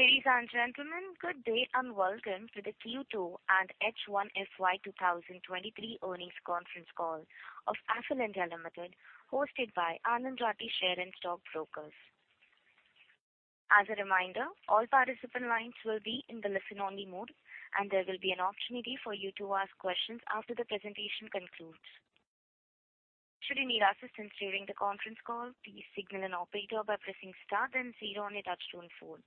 Ladies and gentlemen, good day, and welcome to the Q2 and H1 FY 2023 Earnings Conference Call of Affle (India) Limited, hosted by Anand Rathi Share and Stock Brokers. As a reminder, all participant lines will be in the listen-only mode, and there will be an opportunity for you to ask questions after the presentation concludes. Should you need assistance during the conference call, please signal an operator by pressing star then zero on your touchtone phone.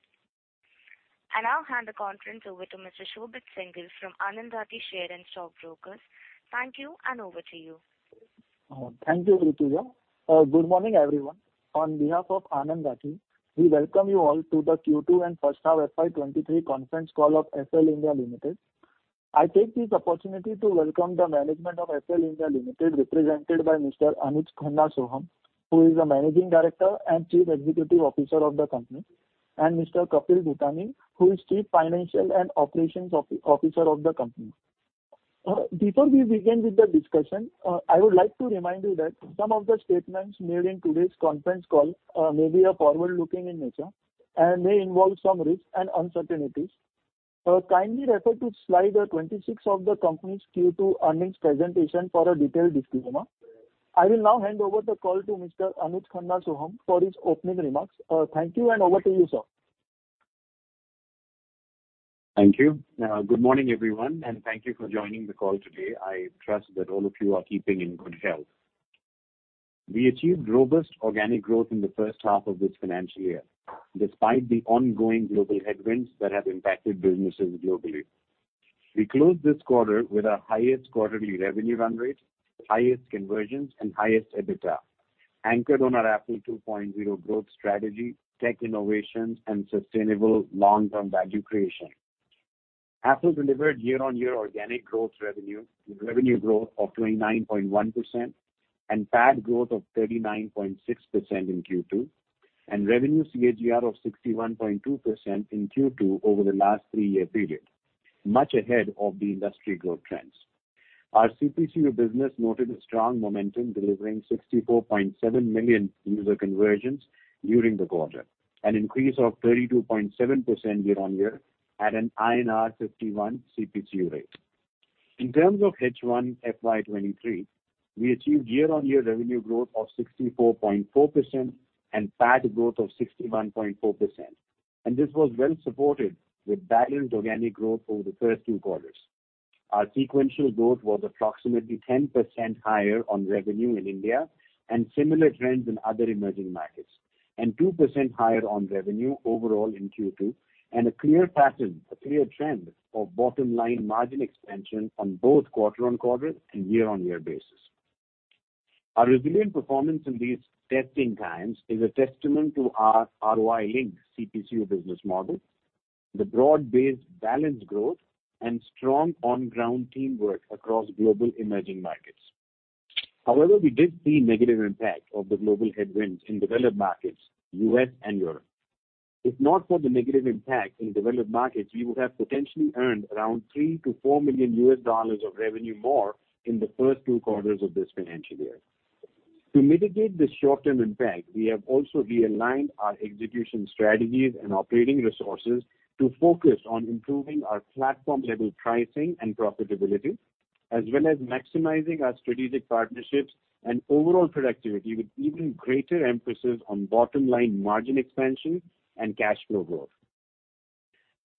I now hand the conference over to Mr. Shobit Singhal from Anand Rathi Share and Stock Brokers. Thank you, and over to you. Thank you, Rutuja. Good morning, everyone. On behalf of Anand Rathi, we welcome you all to the Q2 and First Half FY 2023 conference call of Affle (India) Limited. I take this opportunity to welcome the management of Affle (India) Limited, represented by Mr. Anuj Khanna Sohum, who is the Managing Director and Chief Executive Officer of the company, and Mr. Kapil Bhutani, who is Chief Financial and Operations Officer of the company. Before we begin with the discussion, I would like to remind you that some of the statements made in today's conference call may be forward-looking in nature and may involve some risks and uncertainties. Kindly refer to slide 26 of the company's Q2 earnings presentation for a detailed disclaimer. I will now hand over the call to Mr. Anuj Khanna Sohum for his opening remarks. Thank you, and over to you, sir. Thank you. Good morning, everyone, and thank you for joining the call today. I trust that all of you are keeping in good health. We achieved robust organic growth in the first half of this financial year, despite the ongoing global headwinds that have impacted businesses globally. We closed this quarter with our highest quarterly revenue run rate, highest conversions, and highest EBITDA, anchored on our Affle 2.0 growth strategy, tech innovations, and sustainable long-term value creation. Affle delivered year-on-year organic growth revenue with revenue growth of 29.1% and PAT growth of 39.6% in Q2, and revenue CAGR of 61.2% in Q2 over the last three-year period, much ahead of the industry growth trends. Our CPCU business noted a strong momentum, delivering 64.7 million user conversions during the quarter, an increase of 32.7% year-on-year at an INR 51 CPCU rate. In terms of H1 FY 2023, we achieved year-on-year revenue growth of 64.4% and PAT growth of 61.4%, and this was well supported with balanced organic growth over the first two quarters. Our sequential growth was approximately 10% higher on revenue in India and similar trends in other emerging markets, and 2% higher on revenue overall in Q2, and a clear pattern, a clear trend of bottom-line margin expansion on both quarter-on-quarter and year-on-year basis. Our resilient performance in these testing times is a testament to our ROI-linked CPCU business model, the broad-based balanced growth, and strong on-ground teamwork across global emerging markets. However, we did see negative impact of the global headwinds in developed markets, US and Europe. If not for the negative impact in developed markets, we would have potentially earned around $3 million-$4 million of revenue more in the first two quarters of this financial year. To mitigate this short-term impact, we have also realigned our execution strategies and operating resources to focus on improving our platform-level pricing and profitability, as well as maximizing our strategic partnerships and overall productivity with even greater emphasis on bottom-line margin expansion and cash flow growth.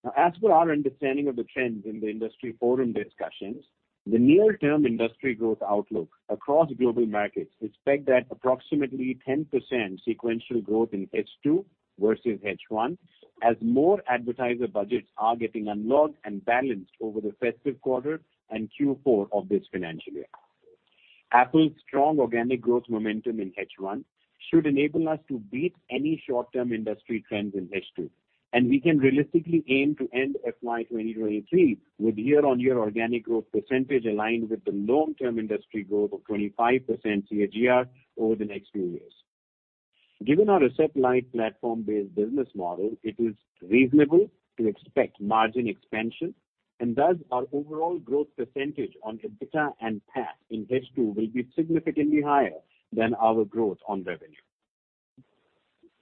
Now, as per our understanding of the trends in the industry forum discussions, the near-term industry growth outlook across global markets expect that approximately 10% sequential growth in H2 versus H1 as more advertiser budgets are getting unlocked and balanced over the festive quarter and Q4 of this financial year. Affle's strong organic growth momentum in H1 should enable us to beat any short-term industry trends in H2, and we can realistically aim to end FY 2023 with year-on-year organic growth percentage aligned with the long-term industry growth of 25% CAGR over the next few years. Given our asset-light platform-based business model, it is reasonable to expect margin expansion, and thus our overall growth percentage on EBITDA and PAT in H2 will be significantly higher than our growth on revenue.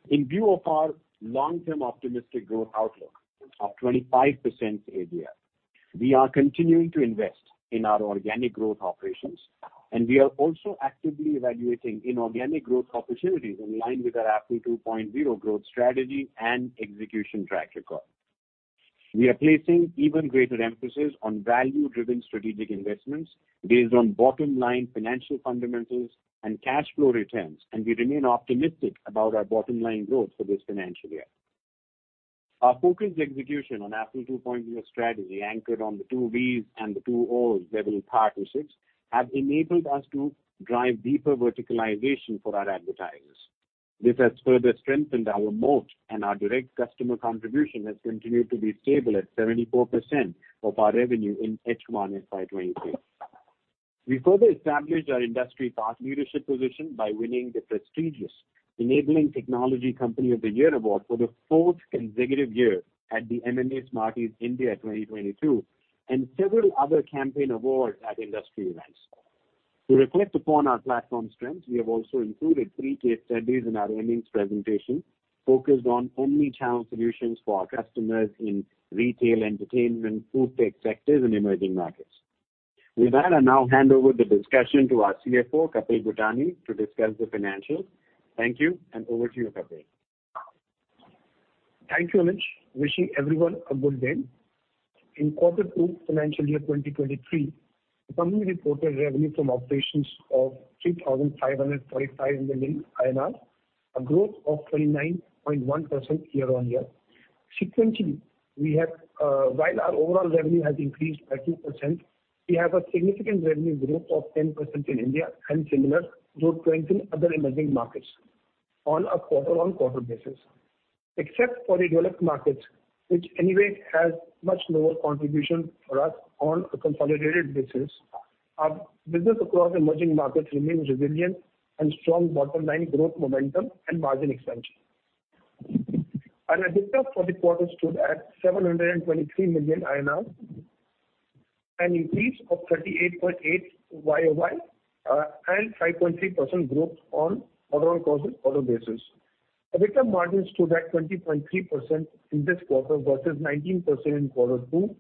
In view of our long-term optimistic growth outlook of 25% CAGR, we are continuing to invest in our organic growth operations, and we are also actively evaluating inorganic growth opportunities in line with our Affle2.0 growth strategy and execution track record. We are placing even greater emphasis on value-driven strategic investments based on bottom-line financial fundamentals and cash flow returns, and we remain optimistic about our bottom-line growth for this financial year. Our focused execution on Affle2.0 strategy anchored on the 2V's and the 2O's level partnerships have enabled us to drive deeper verticalization for our advertisers. This has further strengthened our moat, and our direct customer contribution has continued to be stable at 74% of our revenue in H1 FY 2023. We further established our industry thought leadership position by winning the prestigious "Enabling Technology Company of the Year" award for the fourth consecutive year at the MMA Smarties India 2022, and several other campaign awards at industry events. To reflect upon our platform strengths, we have also included three case studies in our earnings presentation focused on omni-channel solutions for our customers in retail, entertainment, food tech sectors in emerging markets. With that, I now hand over the discussion to our CFO, Kapil Bhutani, to discuss the financials. Thank you, and over to you, Kapil. Thank you, Anuj. Wishing everyone a good day. In Q2, financial year 2023, the company reported revenue from operations of 3,545 million INR, a growth of 29.1% year-on-year. Sequentially, we have, while our overall revenue has increased by 2%, we have a significant revenue growth of 10% in India and similar growth rates in other emerging markets on a quarter-on-quarter basis. Except for the developed markets, which anyway has much lower contribution for us on a consolidated basis, our business across emerging markets remains resilient and strong bottom line growth momentum and margin expansion. Our EBITDA for the quarter stood at 723 million INR, an increase of 38.8% Y-o-Y, and 5.3% growth on quarter-on-quarter basis. EBITDA margin stood at 20.3% in this quarter versus 19% in quarter two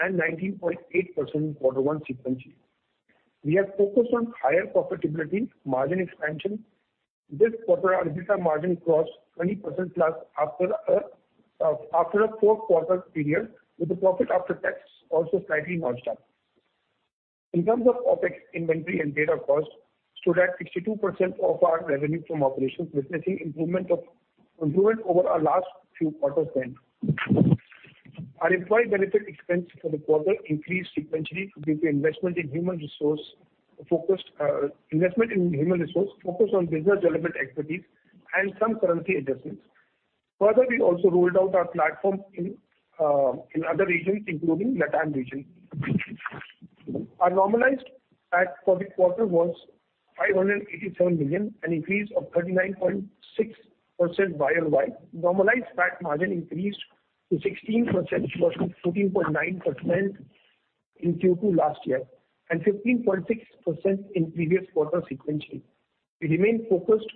and 19.8% in quarter one sequentially. We are focused on higher profitability margin expansion. This quarter EBITDA margin crossed 20%+ after a 4-quarter period, with the profit after tax also slightly notched up. In terms of OpEx, inventory and data costs stood at 62% of our revenue from operations, witnessing improvement over our last few quarters then. Our employee benefit expense for the quarter increased sequentially due to investment in human resource focused on business development expertise and some currency adjustments. Further, we also rolled out our platform in other regions, including LatAm region. Our normalized PAT for the quarter was 587 million, an increase of 39.6% Y-o-Y. Normalized PAT margin increased to 16% versus 14.9% in Q2 last year, and 15.6% in previous quarter sequentially. We remain focused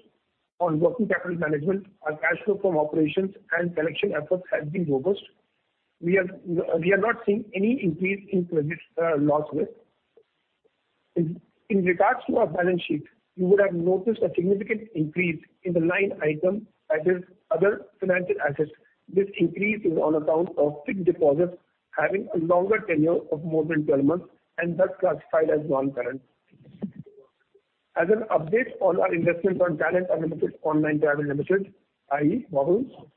on working capital management. Our cash flow from operations and collection efforts have been robust. We are not seeing any increase in credit loss provision. In regards to our balance sheet, you would have noticed a significant increase in the line item, other financial assets. This increase is on account of fixed deposits having a longer tenure of more than 12 months and thus classified as non-current. As an update on our investment in Talent Unlimited Online Services Private Limited, i.e. Bobble,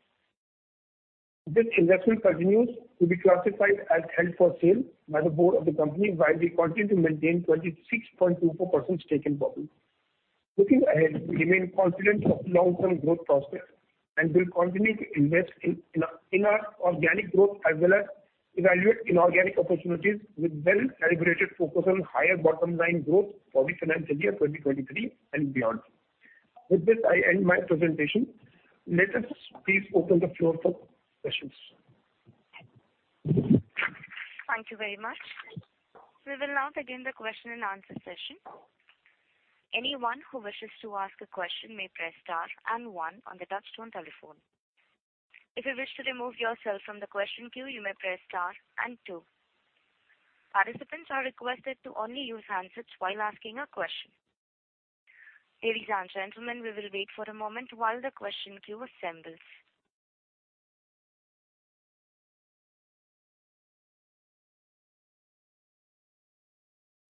this investment continues to be classified as Held for Sale by the Board of the company, while we continue to maintain 26.24% stake in Bobble. Looking ahead, we remain confident of long-term growth prospects, and we'll continue to invest in our organic growth, as well as evaluate inorganic opportunities with well-calibrated focus on higher bottom line growth for the FY 2023 and beyond. With this, I end my presentation. Let us please open the floor for questions. Thank you very much. We will now begin the question and answer session. Anyone who wishes to ask a question may press star and one on the touchtone telephone. If you wish to remove yourself from the question queue, you may press star and two. Participants are requested to only use handsets while asking a question. Ladies and gentlemen, we will wait for a moment while the question queue assembles.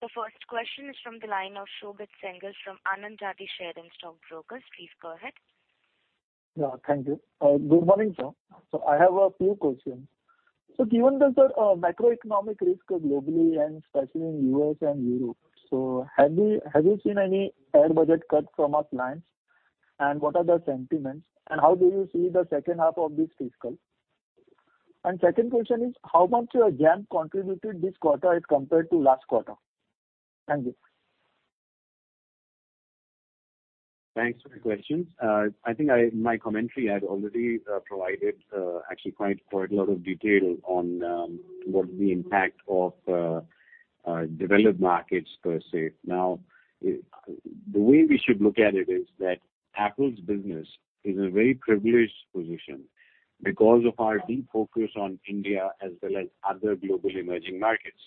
The first question is from the line of Shobit Singhal from Anand Rathi Share and Stock Brokers. Please go ahead. Yeah, thank you. Good morning to all. I have a few questions. Given the macroeconomic risk globally and especially in U.S. and Europe, have you seen any ad budget cut from our clients, and what are the sentiments and how do you see the second half of this fiscal? Second question is how much your Jampp contributed this quarter as compared to last quarter? Thank you. Thanks for the questions. I think in my commentary, I'd already provided actually quite a lot of detail on what the impact of developed markets per se. Now, the way we should look at it is that Affle's business is in a very privileged position because of our deep focus on India as well as other global emerging markets.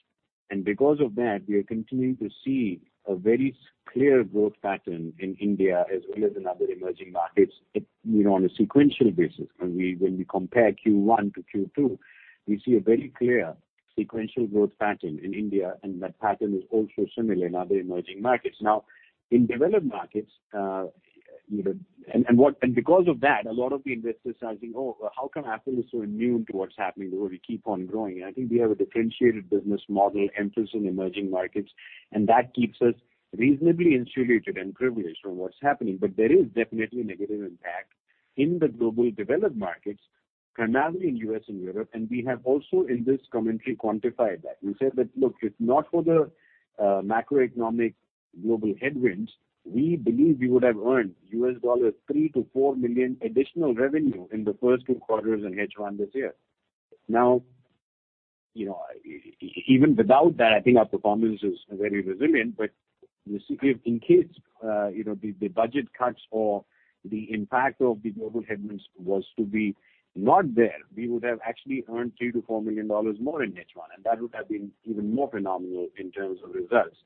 Because of that, we are continuing to see a very clear growth pattern in India as well as in other emerging markets. It's you know, on a sequential basis. When we compare Q1 to Q2, we see a very clear sequential growth pattern in India, and that pattern is also similar in other emerging markets. Now, in developed markets, you know. Because of that, a lot of the investors are saying, "Oh, how come Affle is so immune to what's happening to the world? We keep on growing." I think we have a differentiated business model emphasis in emerging markets, and that keeps us reasonably insulated and privileged from what's happening. But there is definitely negative impact in the global developed markets, primarily in U.S. and Europe. We have also in this commentary quantified that. We said that, look, if not for the macroeconomic global headwinds, we believe we would have earned $3-$4 million additional revenue in the first two quarters in H1 this year. You know, even without that, I think our performance is very resilient. In case the budget cuts or the impact of the global headwinds was to be not there, we would have actually earned $3 million-$4 million more in H1, and that would have been even more phenomenal in terms of results.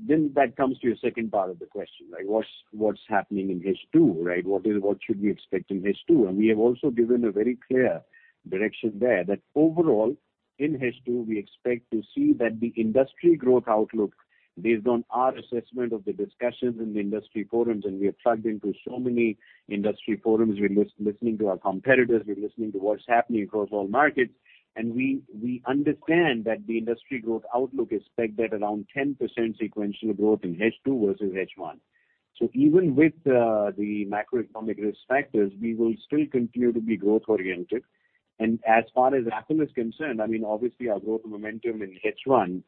Now, then that comes to your second part of the question, like, what's happening in H2, right? What should we expect in H2? We have also given a very clear direction there that overall in H2 we expect to see that the industry growth outlook based on our assessment of the discussions in the industry forums, and we have plugged into so many industry forums. We're listening to our competitors, we're listening to what's happening across all markets, and we understand that the industry growth outlook is pegged at around 10% sequential growth in H2 versus H1. Even with the macroeconomic risk factors, we will still continue to be growth oriented. As far as Affle is concerned, I mean, obviously, our growth momentum in H1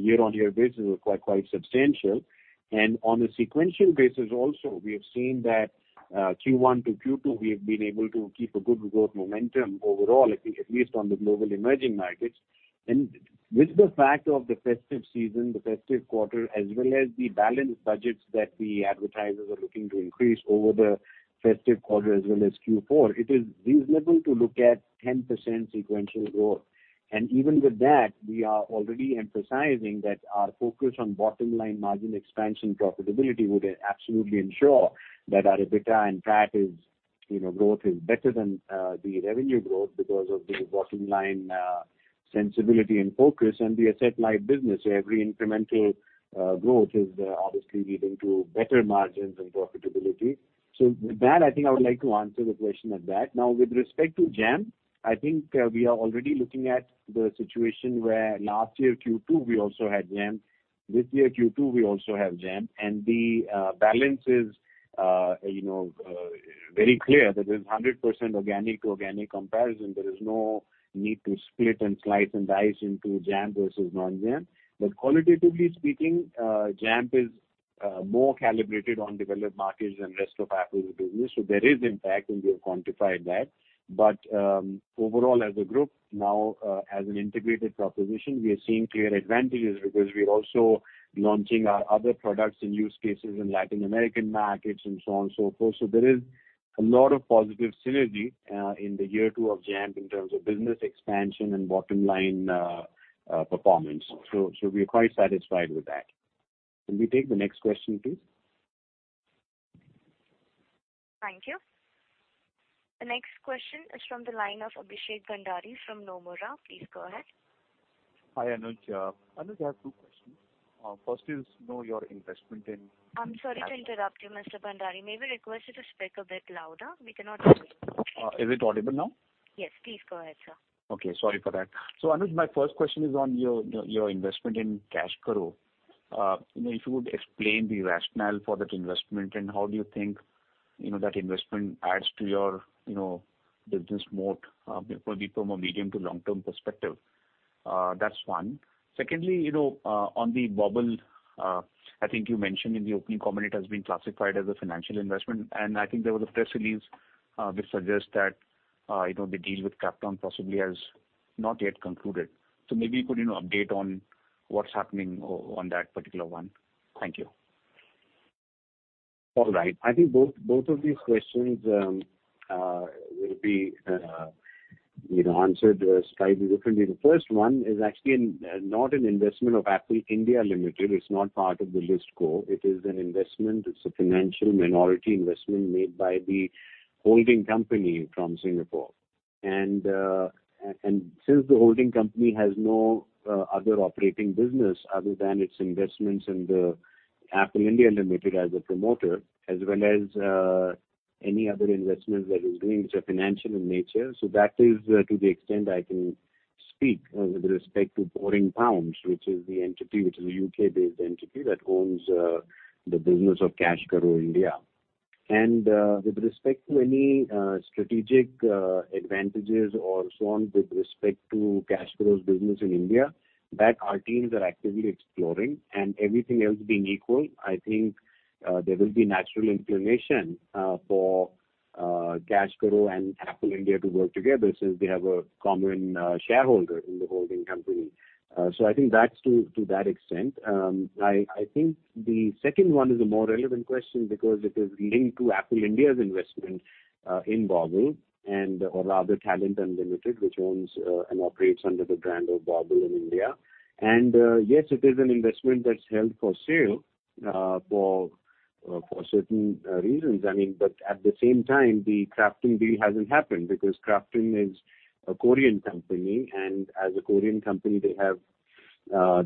year-on-year basis was quite substantial. On a sequential basis also we have seen that, Q1 to Q2 we have been able to keep a good growth momentum overall, at least on the global emerging markets. With the fact of the festive season, the festive quarter as well as the ballooning budgets that the advertisers are looking to increase over the festive quarter as well as Q4, it is reasonable to look at 10% sequential growth. Even with that, we are already emphasizing that our focus on bottom-line margin expansion profitability would absolutely ensure that our EBITDA and PAT is, you know, growth is better than the revenue growth because of the bottom-line sensibility and focus and the asset-light business. Every incremental growth is obviously leading to better margins and profitability. With that, I think I would like to answer the question at that. Now with respect to Jampp, I think, we are already looking at the situation where last year Q2 we also had Jampp, this year Q2 we also have Jampp. The balance is, you know, very clear that there's a 100% organic to organic comparison. There is no need to split and slice and dice into Jampp versus non-Jampp. Qualitatively speaking, Jampp is more calibrated on developed markets than rest of Affle's business. There is impact, and we have quantified that. Overall as a group now, as an integrated proposition, we are seeing clear advantages because we're also launching our other products and use cases in Latin American markets and so on and so forth. There is a lot of positive synergy in the year two of Jampp in terms of business expansion and bottom-line performance. We are quite satisfied with that. Can we take the next question, please? Thank you. The next question is from the line of Abhishek Bhandari from Nomura. Please go ahead. Hi, Anuj. I have two questions. First is on your investment in- I'm sorry to interrupt you, Mr. Bhandari. May we request you to speak a bit louder? We cannot hear you. Is it audible now? Yes, please go ahead, sir. Okay. Sorry for that. Anuj, my first question is on your investment in CashKaro. You know, if you would explain the rationale for that investment and how do you think, you know, that investment adds to your, you know, business moat, maybe from a medium to long-term perspective. That's one. Secondly, you know, on the Bobble, I think you mentioned in the opening comment it has been classified as a financial investment. I think there was a press release, which suggests that, you know, the deal with Krafton possibly has not yet concluded. Maybe you could, you know, update on what's happening on that particular one. Thank you. All right. I think both of these questions will be, you know, answered slightly differently. The first one is actually not an investment of Affle (India) Limited. It's not part of the listed core. It is an investment. It's a financial minority investment made by the holding company from Singapore. Since the holding company has no other operating business other than its investments in the Affle (India) Limited as a promoter, as well as any other investments that it's doing which are financial in nature. That is to the extent I can speak with respect to Pouring Pounds, which is the entity, which is a UK-based entity that owns the business of CashKaro India. With respect to any strategic advantages or so on with respect to CashKaro's business in India, that our teams are actively exploring. Everything else being equal, I think there will be natural inclination for CashKaro and Affle India to work together since they have a common shareholder in the holding company. I think that's to that extent. I think the second one is a more relevant question because it is linked to Affle India's investment in Bobble or rather Talent Unlimited, which owns and operates under the brand of Bobble in India. Yes, it is an investment that's held for sale for certain reasons. I mean at the same time, the Krafton deal hasn't happened because Krafton is a Korean company, and as a Korean company, they have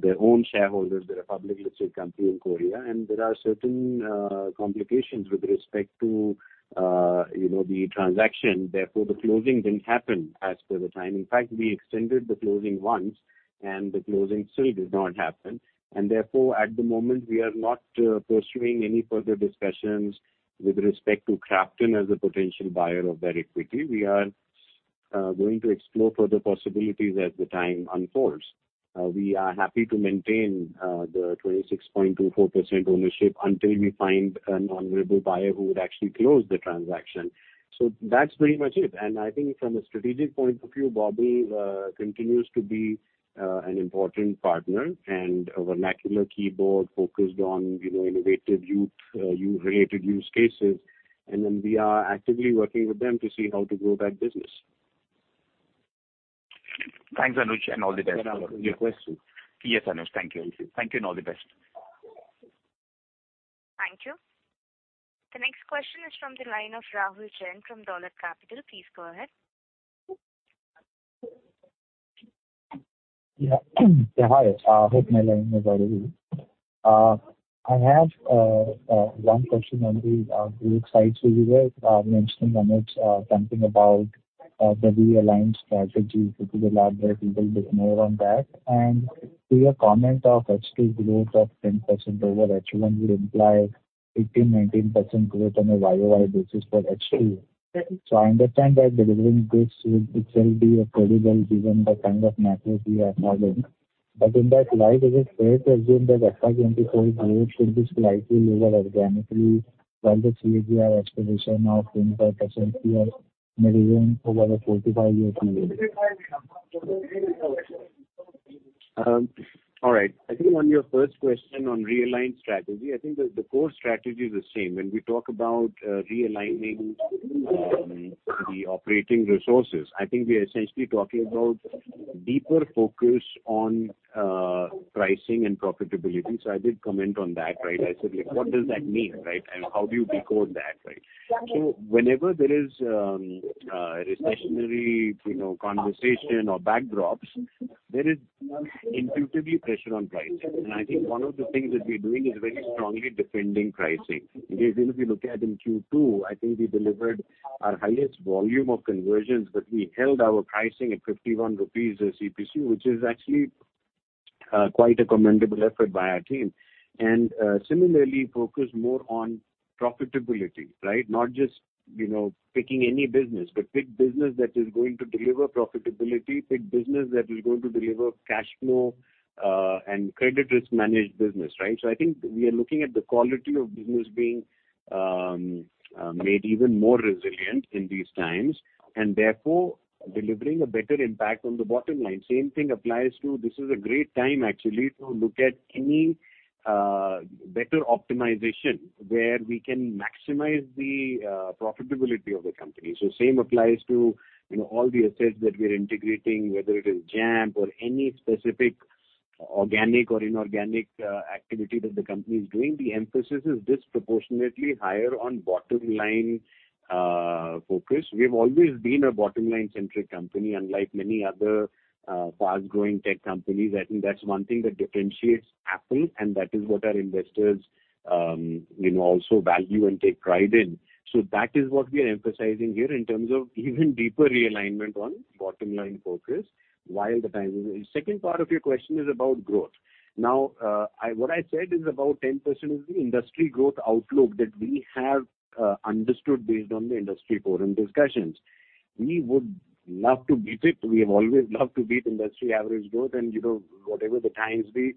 their own shareholders. They're a publicly listed company in Korea, and there are certain complications with respect to you know the transaction, therefore, the closing didn't happen as per the time. In fact, we extended the closing once, and the closing still did not happen. Therefore, at the moment we are not pursuing any further discussions with respect to Krafton as a potential buyer of that equity. We are going to explore further possibilities as the time unfolds. We are happy to maintain the 26.24% ownership until we find an honorable buyer who would actually close the transaction. That's pretty much it. I think from a strategic point of view, Bobble continues to be an important partner and a vernacular keyboard focused on, you know, innovative youth-related use cases. Then we are actively working with them to see how to grow that business. Thanks, Anuj, and all the best. No more questions? Yes, Anuj. Thank you. Thank you and all the best. Thank you. The next question is from the line of Rahul Jain from Dolat Capital. Please go ahead. Hi. Hope my line is audible. I have one question on the growth side. You were mentioning, Anuj, something about the realigned strategy. If you could elaborate a little bit more on that. To your comment of H2 growth of 10% over H1 would imply 15%-19% growth on a YOY basis for H2. I understand that delivering goods will itself be a challenge given the kind of macro we are having. In that light, is it fair to assume that FY 2024 growth should be slightly lower organically while the CAGR acceleration of 10 percentage points you are maintaining over a 45-year period? All right. I think on your first question on realigned strategy, I think the core strategy is the same. When we talk about realigning the operating resources, I think we are essentially talking about deeper focus on pricing and profitability. I did comment on that, right? I said, like, what does that mean, right? How do you decode that, right? Whenever there is recessionary, you know, conversation or backdrops, there is intuitively pressure on pricing. I think one of the things that we're doing is very strongly defending pricing. If you look at in Q2, I think we delivered our highest volume of conversions, but we held our pricing at 51 rupees a CPC, which is actually quite a commendable effort by our team. Similarly, focus more on profitability, right? Not just, you know, picking any business, but pick business that is going to deliver profitability, pick business that is going to deliver cash flow, and credit risk managed business, right? I think we are looking at the quality of business being made even more resilient in these times, and therefore delivering a better impact on the bottom line. Same thing applies to. This is a great time actually to look at any better optimization where we can maximize the profitability of the company. Same applies to, you know, all the assets that we are integrating, whether it is Jampp or any specific organic or inorganic activity that the company is doing. The emphasis is disproportionately higher on bottom line focus. We've always been a bottom line centric company, unlike many other fast growing tech companies. I think that's one thing that differentiates Affle, and that is what our investors, you know, also value and take pride in. That is what we are emphasizing here in terms of even deeper realignment on bottom line focus while the time is. Second part of your question is about growth. Now, what I said is about 10% is the industry growth outlook that we have understood based on the industry forum discussions. We would love to beat it. We have always loved to beat industry average growth and, you know, whatever the times be.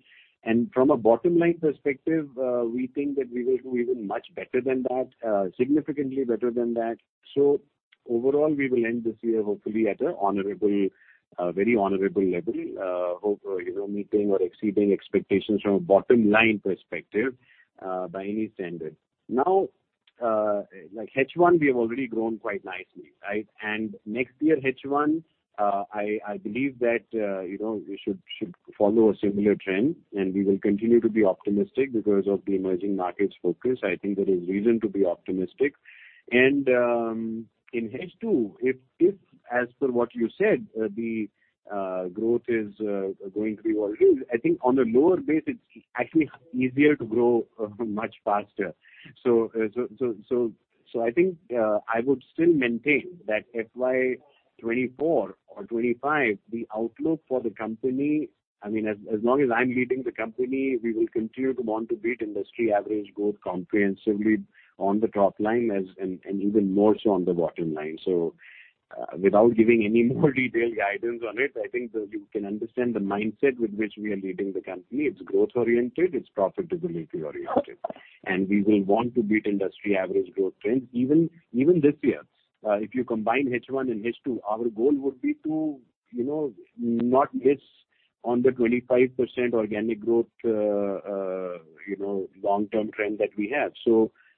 From a bottom line perspective, we think that we will do even much better than that, significantly better than that. Overall, we will end this year hopefully at a very honorable level, you know, meeting or exceeding expectations from a bottom line perspective, by any standard. Now, like H1 we have already grown quite nicely, right? Next year H1, I believe that, you know, we should follow a similar trend, and we will continue to be optimistic because of the emerging markets focus. I think there is reason to be optimistic. In H2, if as per what you said, the growth is going to be what it is, I think on a lower base it's actually easier to grow much faster. I think I would still maintain that FY 2024 or 2025, the outlook for the company. I mean as long as I'm leading the company, we will continue to want to beat industry average growth comprehensively on the top line as and even more so on the bottom line. Without giving any more detailed guidance on it, I think that you can understand the mindset with which we are leading the company. It's growth oriented, it's profitability oriented, and we will want to beat industry average growth trends even this year. If you combine H1 and H2, our goal would be to, you know, not miss on the 25% organic growth, you know, long term trend that we have.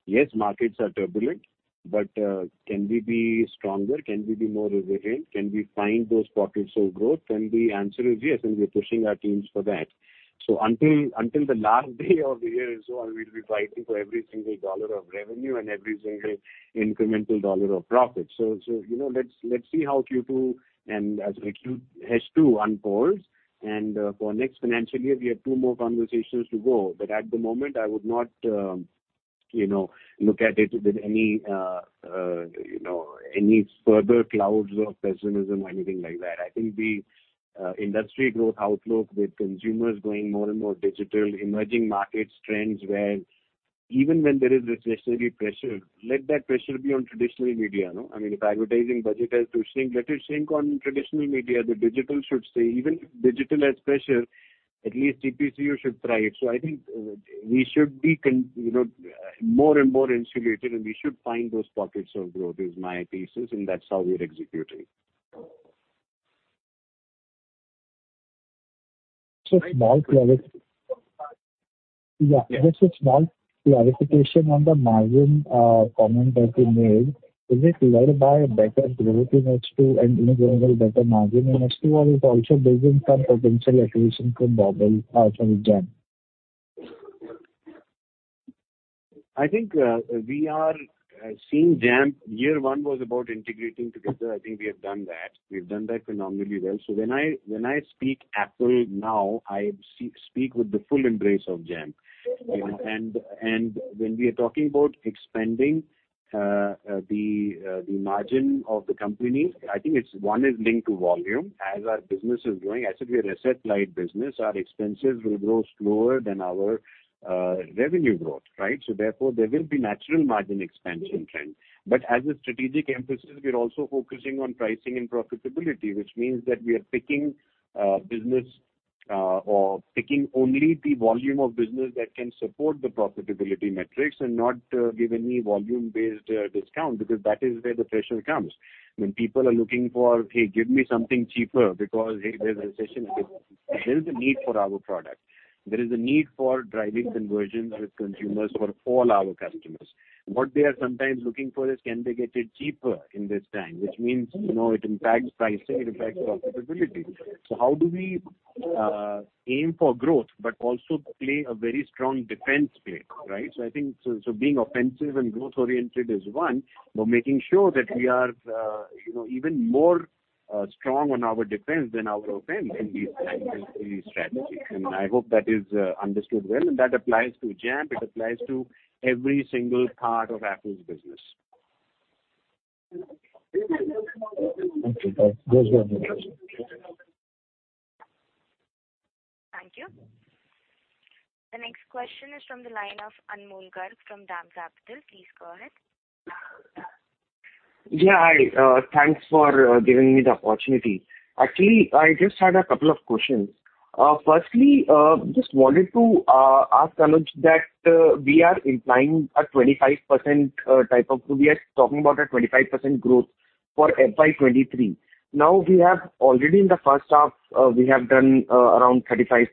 Yes, markets are turbulent, but can we be stronger? Can we be more resilient? Can we find those pockets of growth? The answer is yes, and we're pushing our teams for that. Until the last day of the year is over we'll be fighting for every single dollar of revenue and every single incremental dollar of profit. You know, let's see how Q2 and H2 unfolds. For next financial year, we have two more conversations to go. At the moment, I would not you know look at it with any you know any further clouds of pessimism or anything like that. I think the industry growth outlook with consumers going more and more digital, emerging markets trends where even when there is recessionary pressure, let that pressure be on traditional media, no. I mean, if advertising budget has to shrink, let it shrink on traditional media. The digital should stay. Even if digital has pressure, at least CPCU should thrive. I think, you know, we should be more and more insulated, and we should find those pockets of growth, is my thesis, and that's how we're executing. So small clarif- Yeah. Yeah. Just a small clarification on the margin comment that you made. Is it led by better growth in H2 and in general better margin in H2, or is also there some potential accretion from Bobble, sorry, Jampp? I think we are seeing Jampp. Year one was about integrating together. I think we have done that. We've done that phenomenally well. When I speak Affle now, I speak with the full embrace of Jampp. You know, and when we are talking about expanding the margin of the company, I think it's. One is linked to volume. As our business is growing, as we're an asset-light business, our expenses will grow slower than our revenue growth, right? Therefore, there will be natural margin expansion trend. As a strategic emphasis, we're also focusing on pricing and profitability, which means that we are picking only the volume of business that can support the profitability metrics and not give any volume-based discount, because that is where the pressure comes. When people are looking for, "Hey, give me something cheaper because, hey, there's a recession." There is a need for our product. There is a need for driving conversions with consumers for all our customers. What they are sometimes looking for is can they get it cheaper in this time, which means, you know, it impacts pricing, it impacts profitability. How do we aim for growth but also play a very strong defense play, right? I think being offensive and growth-oriented is one, but making sure that we are, you know, even more strong on our defense than our offense in these times is the strategy. I hope that is understood well, and that applies to Jampp, it applies to every single part of Affle's business. Okay. That was my question. Thank you. The next question is from the line of Anmol Garg from DAM Capital. Please go ahead. Yeah, hi. Thanks for giving me the opportunity. Actually, I just had a couple of questions. Firstly, just wanted to ask Anuj Khanna Sohum that we are implying a 25%, we are talking about a 25% growth for FY 2023. Now we have already in the first half, we have done around 35%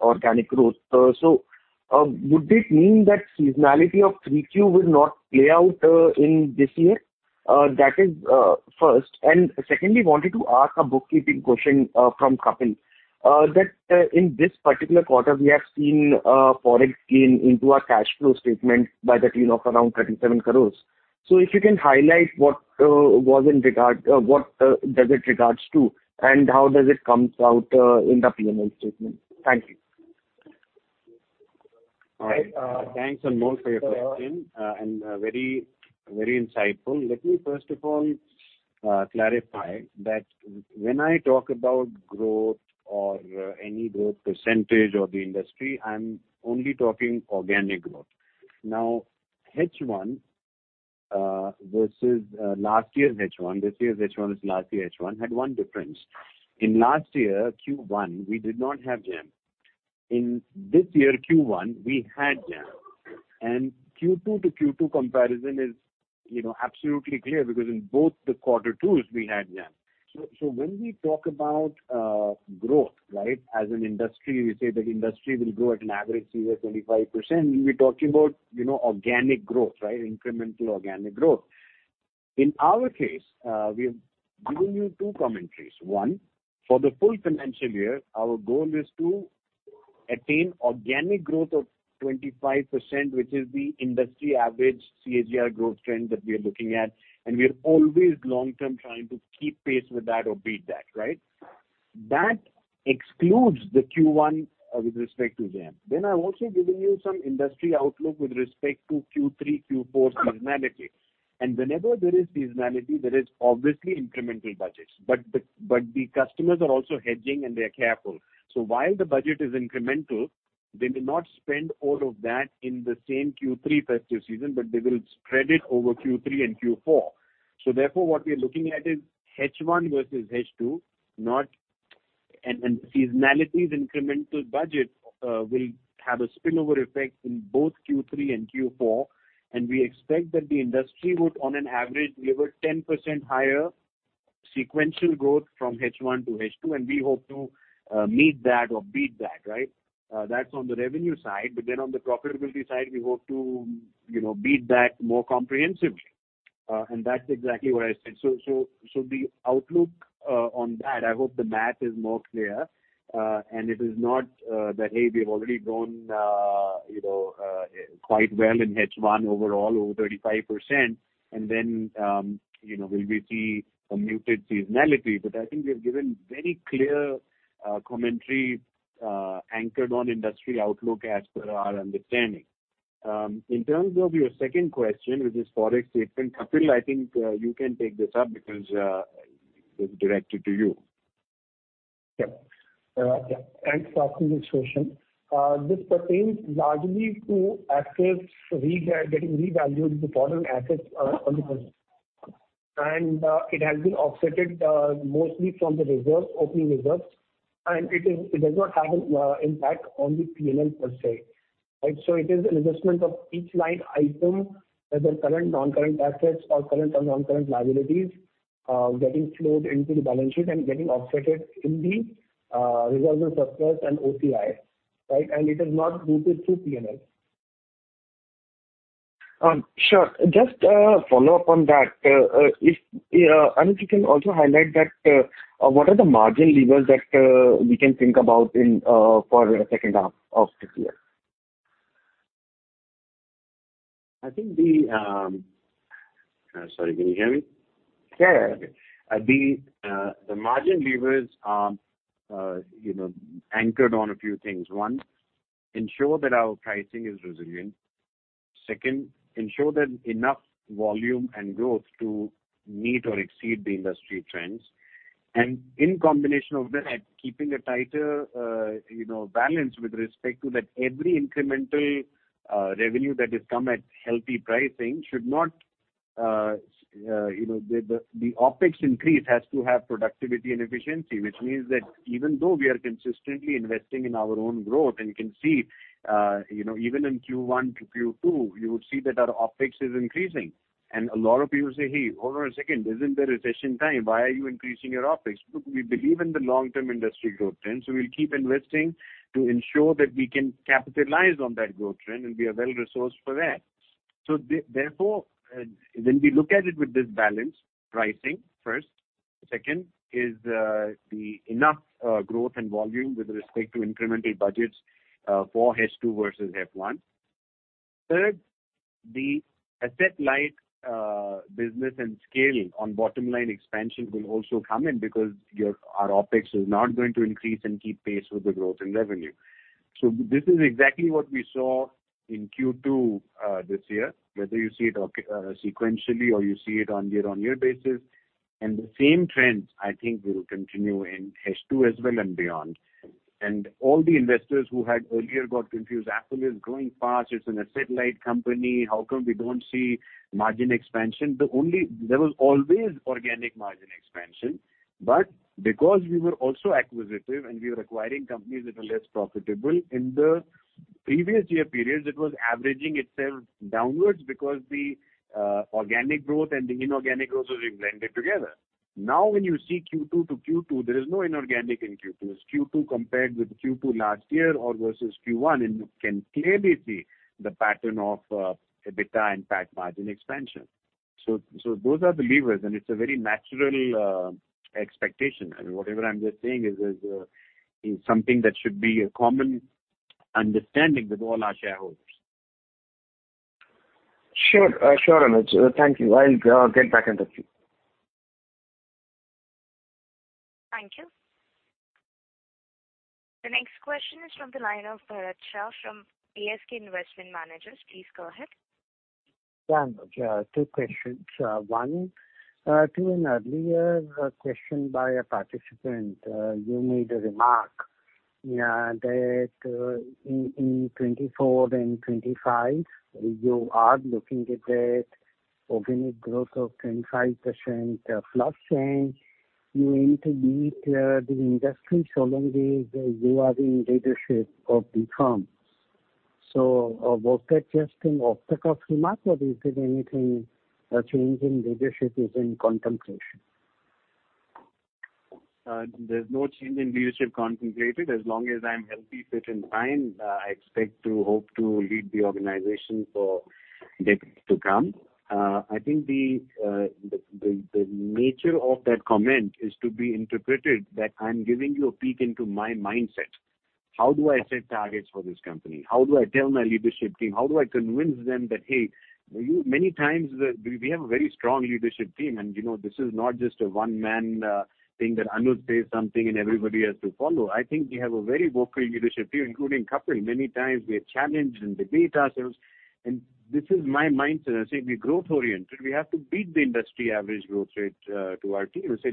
organic growth. So, would it mean that seasonality of 3Q will not play out in this year? That is first. Secondly, wanted to ask a bookkeeping question from Kapil. That in this particular quarter, we have seen Forex gain in our cash flow statement to the tune of around 37 crore. If you can highlight what does it regards to, and how does it comes out in the P&L statement? Thank you. All right. Thanks, Anmol, for your question, and very, very insightful. Let me first of all clarify that when I talk about growth or any growth percentage of the industry, I'm only talking organic growth. Now, H1 versus last year's H1, this year's H1 with last year H1 had one difference. In last year, Q1, we did not have Jampp. In this year, Q1, we had Jampp. Q2 to Q2 comparison is, you know, absolutely clear because in both the Q2s we had Jampp. So when we talk about growth, right? As an industry, we say that industry will grow at an average CAGR 25%, we're talking about, you know, organic growth, right? Incremental organic growth. In our case, we've given you two commentaries. One, for the full financial year, our goal is to attain organic growth of 25%, which is the industry average CAGR growth trend that we are looking at, and we are always long-term trying to keep pace with that or beat that, right? That excludes the Q1 with respect to Jampp. Then I've also given you some industry outlook with respect to Q3, Q4 seasonality. Whenever there is seasonality, there is obviously incremental budgets. But the customers are also hedging and they are careful. While the budget is incremental, they may not spend all of that in the same Q3 festive season, but they will spread it over Q3 and Q4. Therefore, what we are looking at is H1 versus H2, not. Seasonality's incremental budget will have a spillover effect in both Q3 and Q4, and we expect that the industry would on an average deliver 10% higher sequential growth from H1 to H2, and we hope to meet that or beat that, right? That's on the revenue side. Then on the profitability side, we hope to, you know, beat that more comprehensively. That's exactly what I said. The outlook on that, I hope the math is more clear. It is not that, "Hey, we have already grown, you know, quite well in H1 overall, over 35%," and then, you know, will we see a muted seasonality. I think we've given very clear commentary anchored on industry outlook as per our understanding. In terms of your second question, which is Forex statement, Kapil, I think you can take this up because it was directed to you. Yeah. Thanks for asking this question. This pertains largely to assets getting revalued, the bottom assets, it has been offset, mostly from the reserves, opening reserves. It does not have an impact on the P&L per se. Right. It is an adjustment of each line item, whether current non-current assets or current or non-current liabilities, getting flowed into the balance sheet and getting offset in the reserves and surplus and OCI, right? It is not routed to P&L. Sure. Just a follow-up on that. If Anuj, you can also highlight that, what are the margin levers that we can think about in for second half of this year? Sorry, can you hear me? Yeah, yeah. Okay. The margin levers are, you know, anchored on a few things. One, ensure that our pricing is resilient. Second, ensure that enough volume and growth to meet or exceed the industry trends. In combination of that, keeping a tighter, you know, balance with respect to that every incremental revenue that has come at healthy pricing should not, you know, the OpEx increase has to have productivity and efficiency. Which means that even though we are consistently investing in our own growth and you can see, you know, even in Q1 to Q2, you would see that our OpEx is increasing. A lot of people say, "Hey, hold on a second. Isn't there a recession time? Why are you increasing your OpEx?" Look, we believe in the long-term industry growth trend, so we'll keep investing to ensure that we can capitalize on that growth trend and be well-resourced for that. Therefore, when we look at it with this balanced pricing first. Second is then enough growth and volume with respect to incremental budgets for H2 versus H1. Third, the asset-light business and scale on bottom line expansion will also come in because our OpEx is not going to increase and keep pace with the growth in revenue. This is exactly what we saw in Q2 this year, whether you see it sequentially or you see it on year-on-year basis. The same trends I think will continue in H2 as well and beyond. All the investors who had earlier got confused, Affle is growing fast. It's an asset-light company. How come we don't see margin expansion? There was always organic margin expansion, but because we were also acquisitive and we were acquiring companies that were less profitable, in the previous year periods it was averaging itself downwards because the organic growth and the inorganic growth was blended together. Now, when you see Q2 to Q2, there is no inorganic in Q2. Q2 compared with Q2 last year or versus Q1, and you can clearly see the pattern of EBITDA and PAT margin expansion. So those are the levers, and it's a very natural expectation. Whatever I'm just saying is something that should be a common understanding with all our shareholders. Sure, Anuj. Thank you. I'll get back in touch with you. Thank you. The next question is from the line of Bharat Shah from ASK Investment Managers. Please go ahead. Yeah. Two questions. One, to an earlier question by a participant. You made a remark that in 2024 and 2025 you are looking at that organic growth of 10%-15% plus change. You need to meet the industry so long as you are in leadership of the firm. Was that just an off-the-cuff remark or is there anything change in leadership is in contemplation? There's no change in leadership contemplated. As long as I'm healthy, fit and fine, I expect to hope to lead the organization for decades to come. I think the nature of that comment is to be interpreted that I'm giving you a peek into my mindset. How do I set targets for this company? How do I tell my leadership team? How do I convince them that, hey, you... Many times we have a very strong leadership team. You know, this is not just a one-man thing that Anuj says something and everybody has to follow. I think we have a very vocal leadership team, including Kapil. Many times we have challenged and debate ourselves, and this is my mindset. I say we're growth-oriented. We have to beat the industry average growth rate to our team. I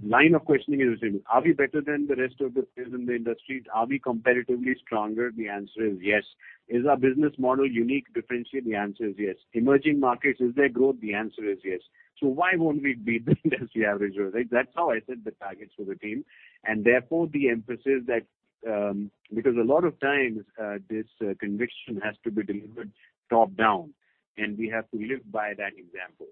said line of questioning is simple. Are we better than the rest of the players in the industry? Are we competitively stronger? The answer is yes. Is our business model unique, differentiated? The answer is yes. Emerging markets, is there growth? The answer is yes. So why won't we beat the industry average growth rate? That's how I set the targets for the team. Therefore the emphasis that, because a lot of times, this conviction has to be delivered top-down and we have to live by that example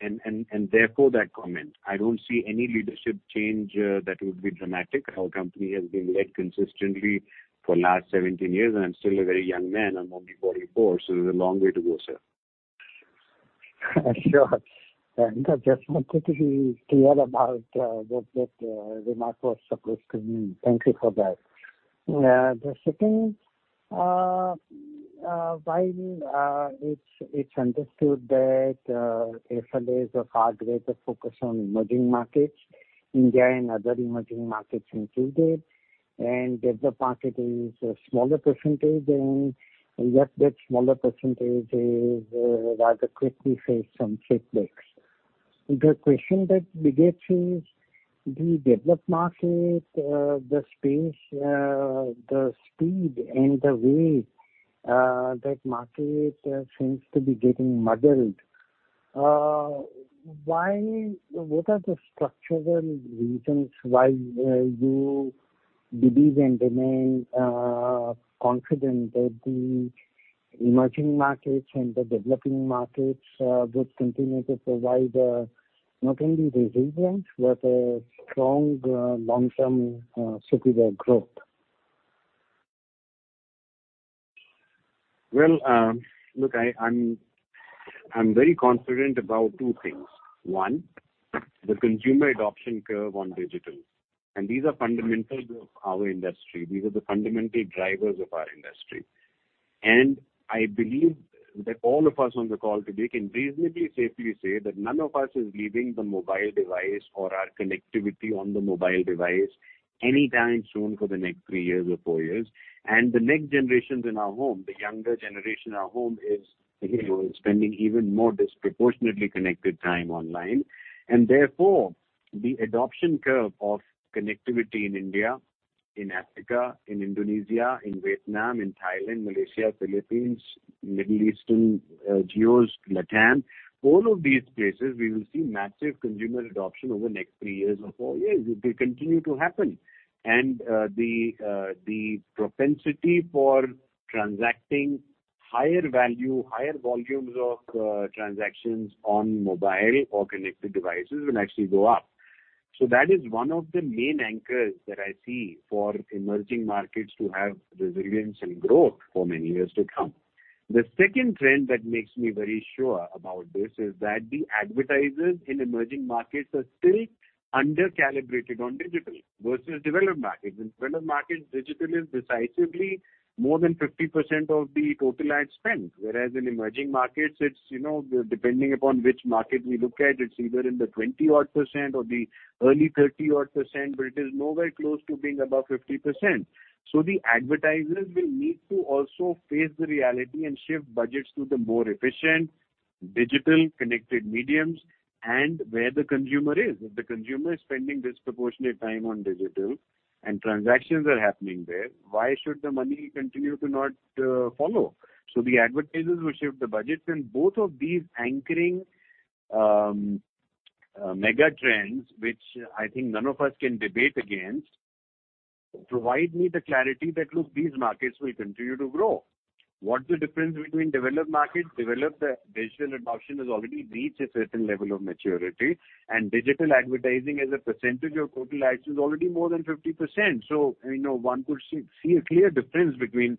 and therefore that comment. I don't see any leadership change that would be dramatic. Our company has been led consistently for last 17 years, and I'm still a very young man. I'm only 44, so there's a long way to go, sir. Sure. I just wanted to be clear about what that remark was supposed to mean. Thank you for that. The second while it's understood that Affle has a far greater focus on emerging markets, India and other emerging markets included, and that the market is a smaller percentage and yet that smaller percentage is rather quickly faced some setbacks. The question that begs is the developed market, the space, the speed and the way that market seems to be getting muddled. What are the structural reasons why you believe and remain confident that the emerging markets and the developing markets would continue to provide not only resilience, but a strong long-term superior growth? Well, look, I'm very confident about two things. One, the consumer adoption curve on digital. These are fundamentals of our industry. These are the fundamental drivers of our industry. I believe that all of us on the call today can reasonably, safely say that none of us is leaving the mobile device or our connectivity on the mobile device anytime soon for the next three years or four years. The next generations in our home, the younger generation in our home is, you know, spending even more disproportionately connected time online. Therefore, the adoption curve of connectivity in India, in Africa, in Indonesia, in Vietnam, in Thailand, Malaysia, Philippines, Middle Eastern geos, LATAM, all of these places we will see massive consumer adoption over the next three years or four years. It will continue to happen. The propensity for transacting higher value, higher volumes of transactions on mobile or connected devices will actually go up. That is one of the main anchors that I see for emerging markets to have resilience and growth for many years to come. The second trend that makes me very sure about this is that the advertisers in emerging markets are still under-calibrated on digital versus developed markets. In developed markets, digital is decisively more than 50% of the total ad spend, whereas in emerging markets it's, you know, depending upon which market we look at, it's either in the 20-odd % or the early 30-odd %, but it is nowhere close to being above 50%. The advertisers will need to also face the reality and shift budgets to the more efficient digital connected mediums and where the consumer is. If the consumer is spending disproportionate time on digital and transactions are happening there, why should the money continue to not follow? The advertisers will shift the budgets, and both of these anchoring mega trends, which I think none of us can debate against, provide me the clarity that, look, these markets will continue to grow. What's the difference between developed markets? Developed digital adoption has already reached a certain level of maturity, and digital advertising as a percentage of total ads is already more than 50%. You know, one could see a clear difference between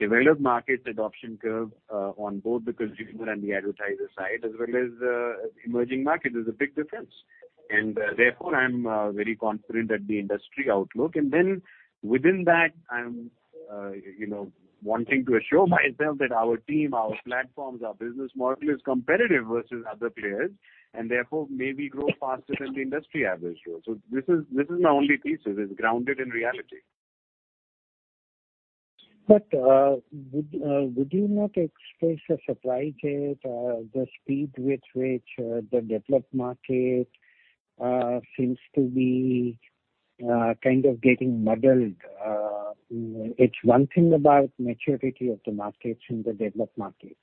developed markets adoption curve on both the consumer and the advertiser side, as well as emerging markets. There's a big difference. Therefore, I'm very confident at the industry outlook. Within that, I'm, you know, wanting to assure myself that our team, our platforms, our business model is competitive versus other players and therefore may we grow faster than the industry average growth. This is my only thesis is grounded in reality. Would you not express a surprise at the speed with which the developed market seems to be kind of getting muddled? It's one thing about maturity of the markets in the developed markets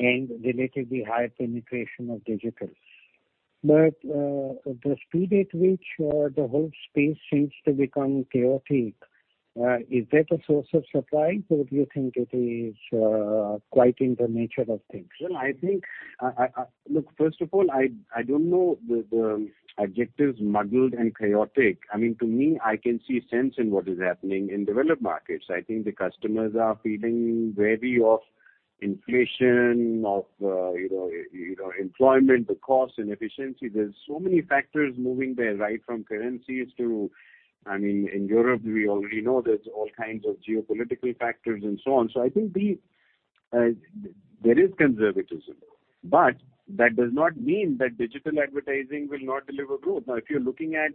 and relatively high penetration of digital. The speed at which the whole space seems to become chaotic is that a source of surprise, or do you think it is quite in the nature of things? Well, I think. Look, first of all, I don't know the adjectives muddled and chaotic. I mean, to me, I can see sense in what is happening in developed markets. I think the customers are feeling wary of inflation, of you know, employment, the cost and efficiency. There's so many factors moving there, right? From currencies to I mean, in Europe, we already know there's all kinds of geopolitical factors and so on. So I think there is conservatism, but that does not mean that digital advertising will not deliver growth. Now, if you're looking at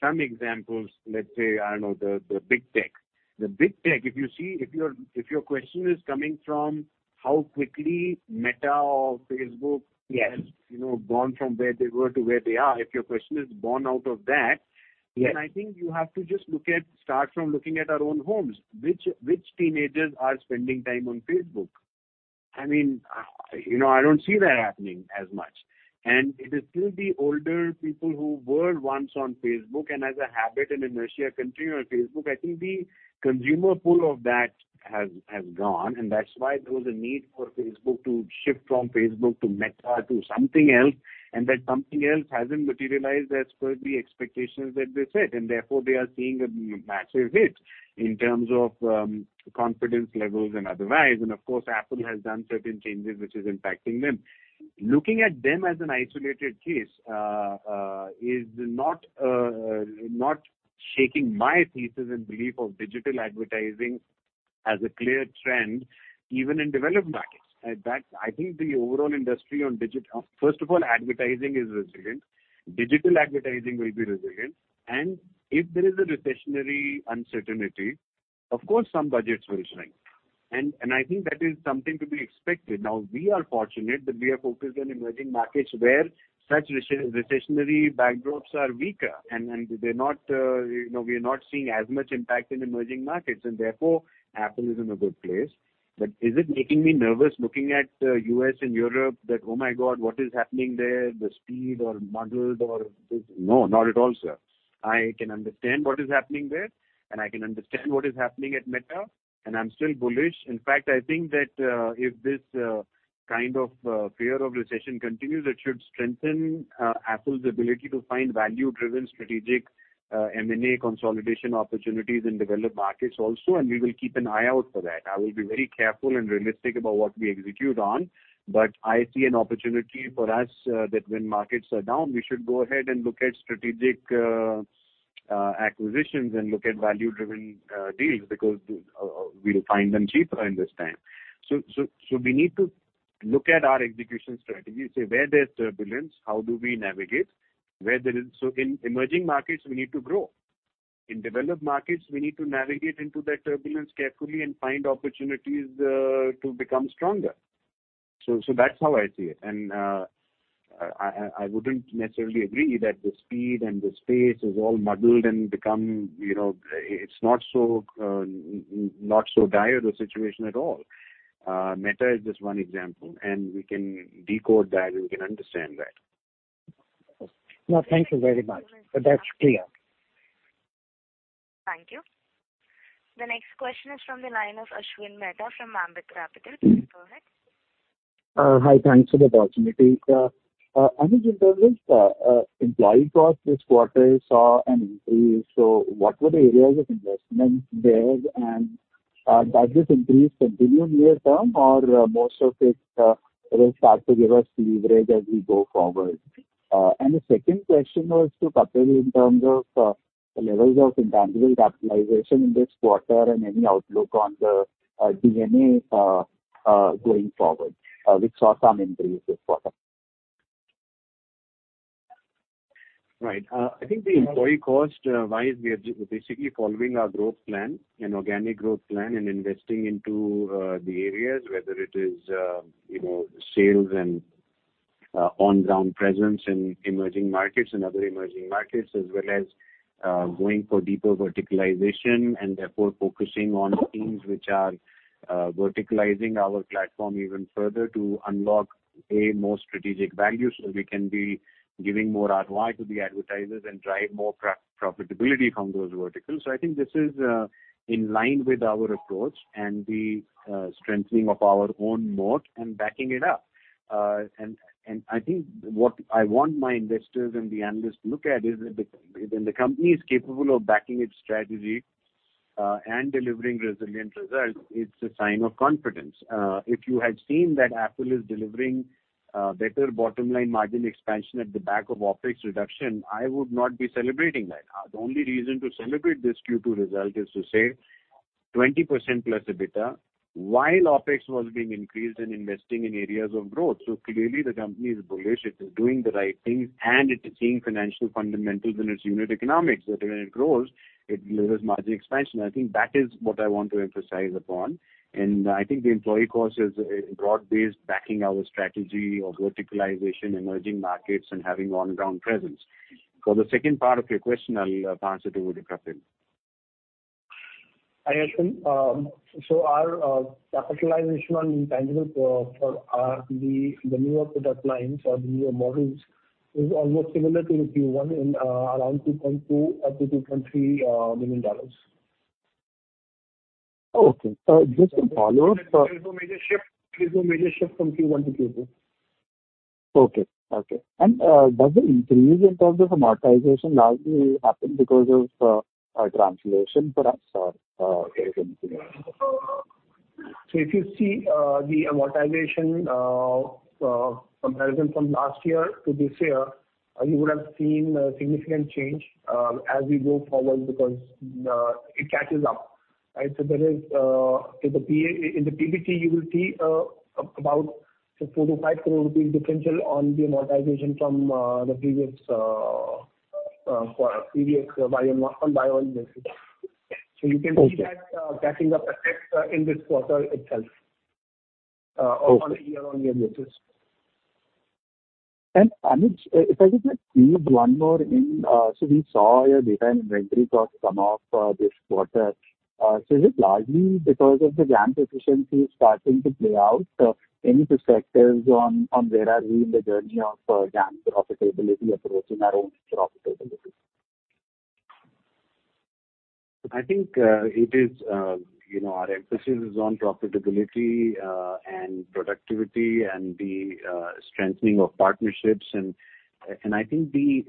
some examples, let's say, I don't know, the Big Tech. The Big Tech, if you see, if your question is coming from how quickly Meta or Facebook. Yes. Has, you know, gone from where they were to where they are, if your question is born out of that. Yes. I think you have to just look at, start from looking at our own homes. Which teenagers are spending time on Facebook? I mean, you know, I don't see that happening as much. It is still the older people who were once on Facebook and as a habit and inertia continue on Facebook. I think the consumer pool of that has gone, and that's why there was a need for Facebook to shift from Facebook to Meta to something else, and that something else hasn't materialized as per the expectations that they set, and therefore they are seeing a massive hit in terms of, confidence levels and otherwise. Of course, Apple has done certain changes which is impacting them. Looking at them as an isolated case is not shaking my thesis and belief of digital advertising as a clear trend even in developed markets. First of all, advertising is resilient. Digital advertising will be resilient. If there is a recessionary uncertainty, of course some budgets will shrink. I think that is something to be expected. Now, we are fortunate that we are focused on emerging markets where such recessionary backdrops are weaker and they're not, you know, we are not seeing as much impact in emerging markets, and therefore, Affle is in a good place. Is it making me nervous looking at U.S. and Europe that what is happening there? No, not at all, sir. I can understand what is happening there, and I can understand what is happening at Meta, and I'm still bullish. In fact, I think that if this kind of fear of recession continues, it should strengthen Affle's ability to find value-driven strategic M&A consolidation opportunities in developed markets also, and we will keep an eye out for that. I will be very careful and realistic about what we execute on, but I see an opportunity for us that when markets are down, we should go ahead and look at strategic acquisitions and look at value-driven deals because we'll find them cheaper in this time. We need to look at our execution strategy, say, where there's turbulence, how do we navigate? In emerging markets, we need to grow. In developed markets, we need to navigate into that turbulence carefully and find opportunities to become stronger. That's how I see it. I wouldn't necessarily agree that the spend and the space is all muddled and has become, you know. It's not so dire, the situation at all. Meta is just one example, and we can decode that and we can understand that. No, thank you very much. That's clear. Thank you. The next question is from the line of Ashwin Mehta from Ambit Capital. Please go ahead. Hi. Thanks for the opportunity. Anuj, in terms of employee cost this quarter you saw an increase, so what were the areas of investment there? Does this increase continue near-term or most of it will start to give us leverage as we go forward? The second question was to Kapil in terms of the levels of intangible capitalization in this quarter and any outlook on the D&A going forward. We saw some increase this quarter. Right. I think the employee cost wise, we are basically following our growth plan and organic growth plan and investing into the areas whether it is, you know, sales and on-ground presence in emerging markets and other emerging markets, as well as going for deeper verticalization and therefore focusing on teams which are verticalizing our platform even further to unlock a more strategic value so we can be giving more ROI to the advertisers and drive more profitability from those verticals. I think this is in line with our approach and the strengthening of our own moat and backing it up. I think what I want my investors and the analysts to look at is that when the company is capable of backing its strategy and delivering resilient results, it's a sign of confidence. If you had seen that Apple is delivering better bottom line margin expansion at the back of OpEx reduction, I would not be celebrating that. The only reason to celebrate this Q2 result is to say 20%+ EBITDA while OpEx was being increased in investing in areas of growth. Clearly the company is bullish, it is doing the right things, and it is seeing financial fundamentals in its unit economics, that when it grows, it delivers margin expansion. I think that is what I want to emphasize upon. I think the employee cost is a broad base backing our strategy of verticalization, emerging markets and having on-ground presence. For the second part of your question, I'll pass it over to Kapil. Hi, Ashwin. Our capitalization on intangibles for the newer product lines or the newer models is almost similar to Q1 in around $2.2-$2.3 million. Okay. Just to follow up. There's no major shift from Q1 to Q2. Does the increase in terms of amortization largely happen because of translation perhaps or anything? If you see the amortization comparison from last year to this year, you would have seen a significant change as we go forward because it catches up, right? There is, in the PBT, you will see about say 4-5 crore rupees differential on the amortization from the previous volume on volume basis. Okay. You can see that catching up effect in this quarter itself. Okay. On a year-over-year basis. Anuj Khanna Sohum, if I could just squeeze one more in. So we saw your data and inventory costs come off, this quarter. So is it largely because of the Jampp efficiency starting to play out? Any perspectives on where we are in the journey of Jampp profitability approaching our own profitability? I think you know our emphasis is on profitability and productivity and the strengthening of partnerships. I think we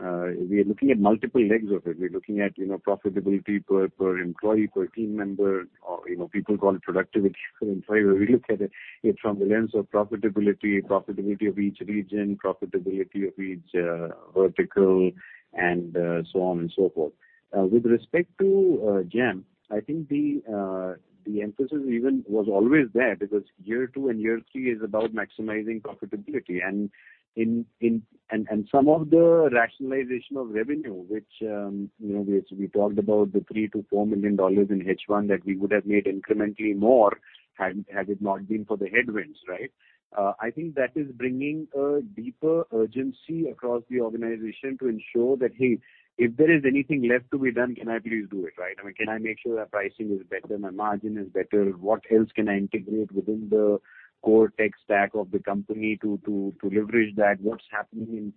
are looking at multiple legs of it. We're looking at you know profitability per employee per team member or you know people call it productivity. In fact we look at it from the lens of profitability profitability of each region profitability of each vertical and so on and so forth. With respect to Jampp I think the emphasis even was always there because year two and year three is about maximizing profitability. In in Some of the rationalization of revenue, which, you know, we talked about the $3-$4 million in H1 that we would have made incrementally more had it not been for the headwinds, right? I think that is bringing a deeper urgency across the organization to ensure that, "Hey, if there is anything left to be done, can I please do it?" Right? I mean, can I make sure that pricing is better, my margin is better? What else can I integrate within the core tech stack of the company to leverage that? What's happening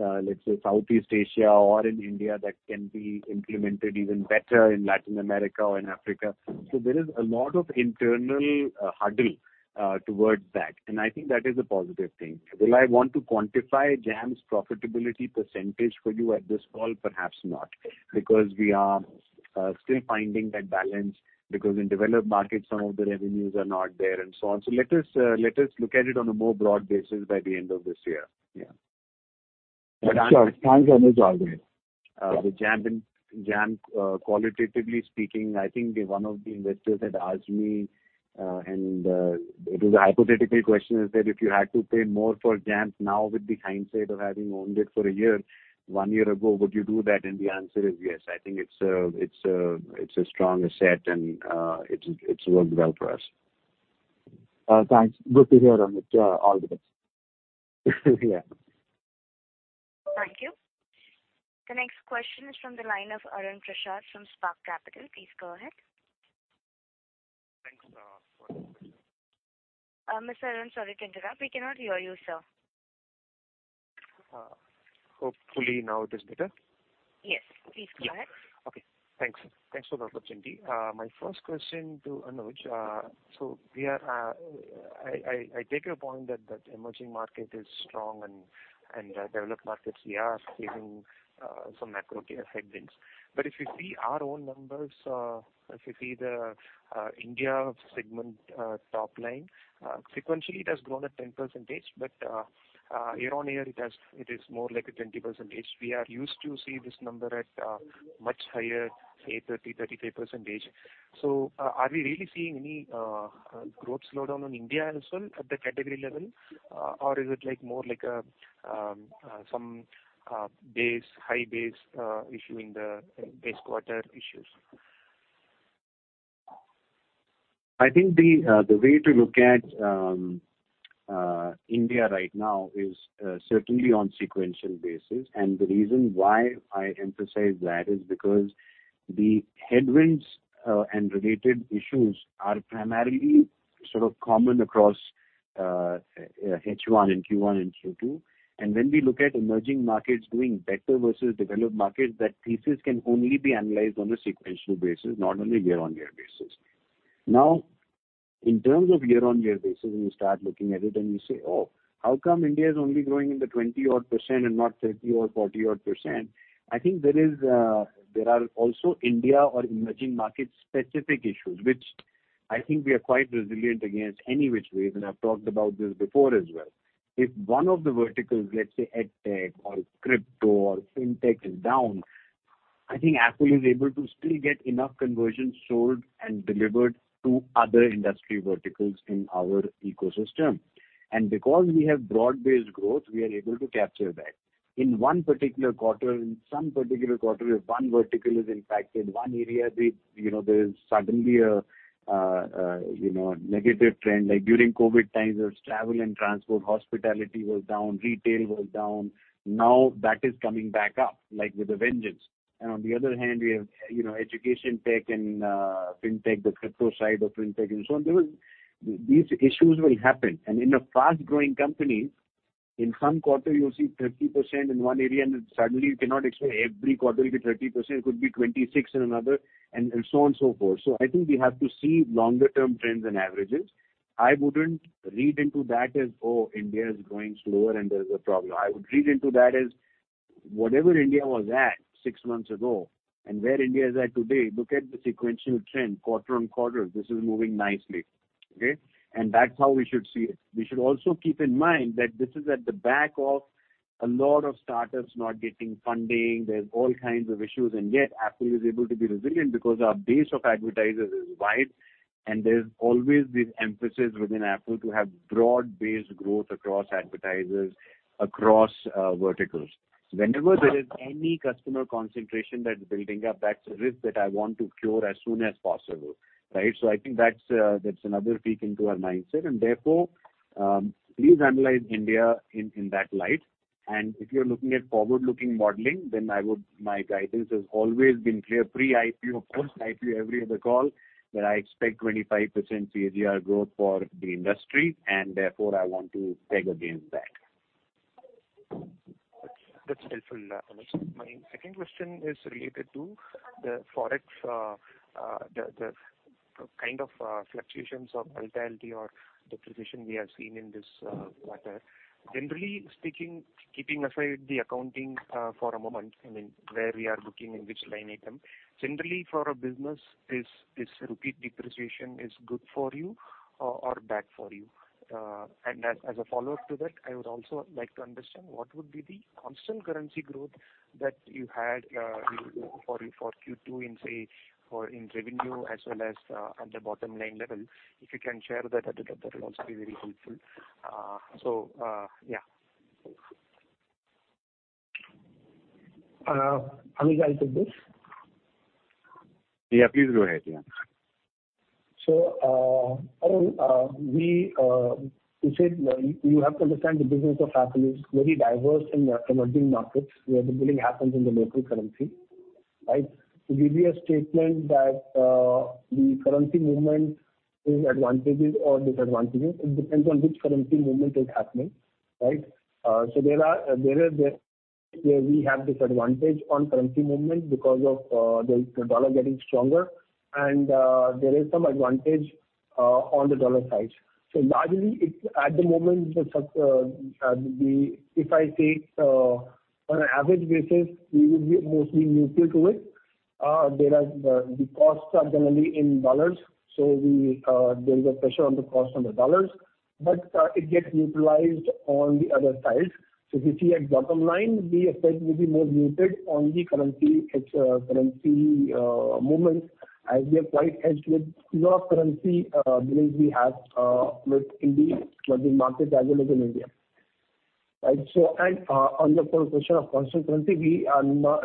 in, let's say Southeast Asia or in India that can be implemented even better in Latin America or in Africa. There is a lot of internal hurdle towards that, and I think that is a positive thing. Will I want to quantify Jampp's profitability percentage for you at this call? Perhaps not, because we are still finding that balance because in developed markets some of the revenues are not there and so on. Let us look at it on a more broad basis by the end of this year. Yeah. Sure. Thanks, Anuj. All the best. With Jampp, qualitatively speaking, I think one of the investors had asked me, it was a hypothetical question, if you had to pay more for Jampp now with the hindsight of having owned it for a year, one year ago, would you do that? The answer is yes. I think it's a strong asset and it's worked well for us. Thanks. Good to hear, Anuj. All the best. Yeah. Thank you. The next question is from the line of Arun Prasath from Spark Capital. Please go ahead. Thanks for this question. Mr. Arun, sorry to interrupt. We cannot hear you, sir. Hopefully now it is better. Yes. Please go ahead. Yeah. Okay. Thanks. Thanks for the opportunity. My first question to Anuj. I take your point that emerging market is strong and developed markets we are facing some macro headwinds. If you see our own numbers, if you see the India segment, top line, sequentially it has grown at 10%, year-on-year it is more like a 20%. We are used to see this number at much higher, say 30, 33%. Are we really seeing any growth slowdown on India as well at the category level? Is it more like some high base issue in the base quarter issue? I think the way to look at India right now is certainly on sequential basis. The reason why I emphasize that is because the headwinds and related issues are primarily sort of common across H1 and Q1 and Q2. When we look at emerging markets doing better versus developed markets, that thesis can only be analyzed on a sequential basis, not only year-on-year basis. Now, in terms of year-on-year basis, when you start looking at it and you say, "Oh, how come India is only growing in the 20-odd% and not 30 or 40-odd%?" I think there are also India or emerging market specific issues, which I think we are quite resilient against any which way, and I've talked about this before as well. If one of the verticals, let's say EdTech or crypto or FinTech is down, I think Affle is able to still get enough conversions sold and delivered to other industry verticals in our ecosystem. Because we have broad-based growth, we are able to capture that. In one particular quarter, if one vertical is impacted, one area, you know, there is suddenly a negative trend. Like during COVID times it was travel and transport, hospitality was down, retail was down. Now that is coming back up, like with a vengeance. On the other hand, we have, you know, education tech and FinTech, the crypto side of FinTech and so on. These issues will happen. In a fast-growing company, in some quarter you'll see 30% in one area and then suddenly you cannot expect every quarter will be 30%. It could be 26% in another and so on and so forth. I think we have to see longer term trends and averages. I wouldn't read into that as, oh, India is growing slower and there's a problem. I would read into that as whatever India was at six months ago and where India is at today, look at the sequential trend quarter-on-quarter. This is moving nicely. Okay. That's how we should see it. We should also keep in mind that this is at the back of a lot of startups not getting funding. There's all kinds of issues, and yet Affle is able to be resilient because our base of advertisers is wide and there's always this emphasis within Affle to have broad-based growth across advertisers, across verticals. Whenever there is any customer concentration that's building up, that's a risk that I want to cure as soon as possible, right? I think that's another peek into our mindset and therefore please analyze India in that light. If you're looking at forward-looking modeling, My guidance has always been clear pre-IPO, post-IPO, every other call that I expect 25% CAGR growth for the industry and therefore I want to peg against that. That's helpful, Anuj. My second question is related to the forex, the kind of fluctuations or volatility or depreciation we have seen in this quarter. Generally speaking, keeping aside the accounting for a moment, I mean, where we are looking in which line item, generally for a business, is rupee depreciation good for you or bad for you? And as a follow-up to that, I would also like to understand what would be the constant currency growth that you had for Q2 in, say, foreign revenue as well as at the bottom line level. If you can share that'd also be very helpful. Anuj, I'll take this. Yeah, please go ahead. Yeah. Arun, we said you have to understand the business of Affle is very diverse in the emerging markets where the billing happens in the local currency, right. To give you a statement that the currency movement is advantages or disadvantages, it depends on which currency movement is happening, right? We have disadvantage on currency movement because of the dollar getting stronger and there is some advantage on the dollar side. Largely it's at the moment if I take on an average basis, we would be mostly neutral to it. The costs are generally in dollars, so we there is a pressure on the cost on the dollars. It gets neutralized on the other side. If you see at bottom line, the effect will be more muted on the currency, its currency movements as we are quite hedged with lot of currency hedges we have with India, with the markets as well as in India. Right. On the question of constant currency, we have not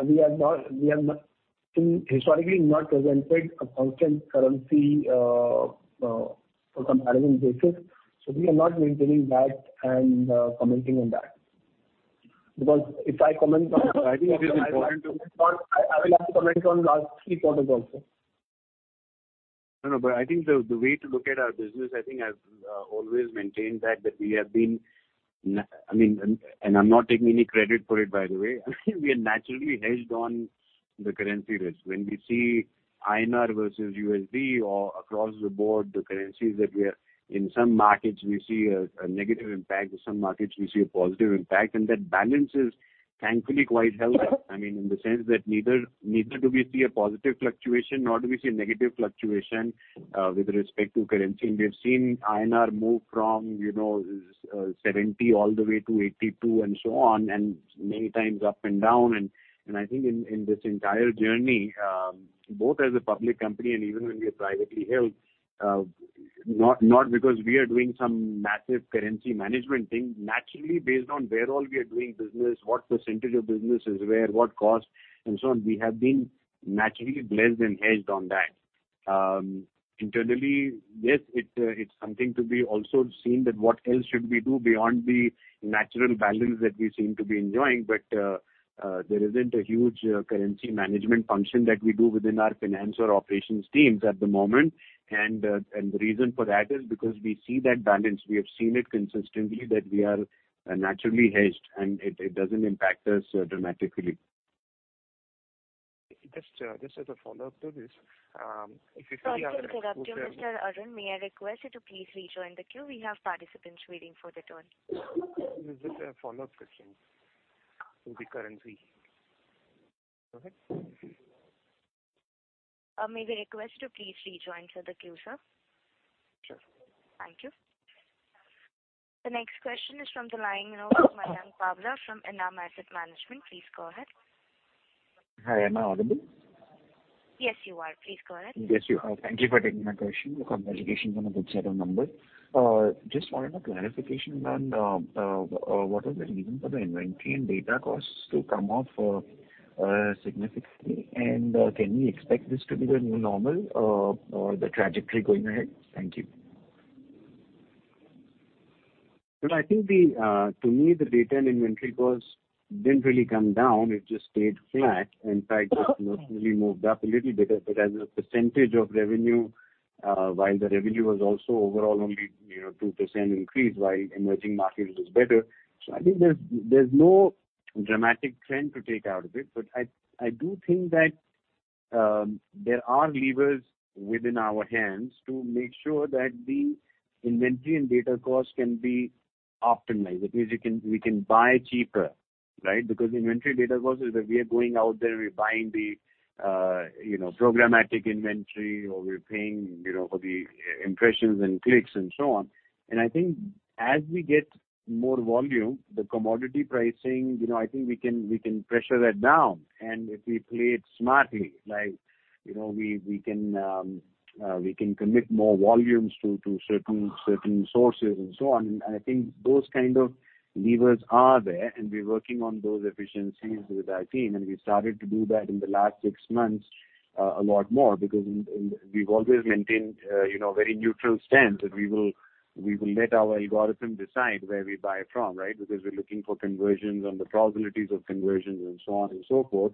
historically presented a constant currency for comparison basis. We are not maintaining that and commenting on that. Because if I comment on- No, I think it is important to. I will have to comment on last three quarters also. No, no. I think the way to look at our business, I think I've always maintained that we have been. I mean, and I'm not taking any credit for it, by the way. We are naturally hedged on the currency risk. When we see INR versus USD or across the board, the currencies that we are in some markets we see a negative impact. In some markets we see a positive impact. That balance is thankfully quite healthy. I mean, in the sense that neither do we see a positive fluctuation, nor do we see a negative fluctuation with respect to currency. We have seen INR move from, you know, 70 all the way to 82 and so on, and many times up and down. I think in this entire journey, both as a public company and even when we are privately held, not because we are doing some massive currency management thing. Naturally based on where all we are doing business, what percentage of business is where, what cost and so on, we have been naturally blessed and hedged on that. Internally, yes, it's something to be also seen that what else should we do beyond the natural balance that we seem to be enjoying. There isn't a huge currency management function that we do within our finance or operations teams at the moment. The reason for that is because we see that balance. We have seen it consistently that we are naturally hedged and it doesn't impact us dramatically. Just as a follow-up to this, if you see our- Sorry to interrupt you, Mr. Arun. May I request you to please rejoin the queue? We have participants waiting for the turn. Just a follow-up question on the currency. Go ahead. May we request you to please rejoin for the queue, sir? Sure. Thank you. The next question is from the line of Mayank Babla from ENAM Asset Management. Please go ahead. Hi, am I audible? Yes, you are. Please go ahead. Yes, you are. Thank you for taking my question. Congratulations on a good set of numbers. Just wanted a clarification on what was the reason for the inventory and data costs to come off significantly? Can we expect this to be the new normal or the trajectory going ahead? Thank you. I think, to me, the data and inventory costs didn't really come down. It just stayed flat. In fact, it mostly moved up a little bit as a percentage of revenue, while the revenue was also overall only, you know, 2% increase, while emerging markets was better. I think there's no dramatic trend to take out of it. I do think that there are levers within our hands to make sure that the inventory and data costs can be optimized. That means we can buy cheaper, right? Because inventory data costs is that we are going out there, we're buying the, you know, programmatic inventory or we're paying, you know, for the impressions and clicks and so on. I think as we get more volume, the commodity pricing, you know, I think we can pressure that down. If we play it smartly, like, you know, we can commit more volumes to certain sources and so on. I think those kind of levers are there and we're working on those efficiencies with our team. We started to do that in the last six months a lot more because we've always maintained, you know, very neutral stance that we will let our algorithm decide where we buy from, right? Because we're looking for conversions and the probabilities of conversions and so on and so forth.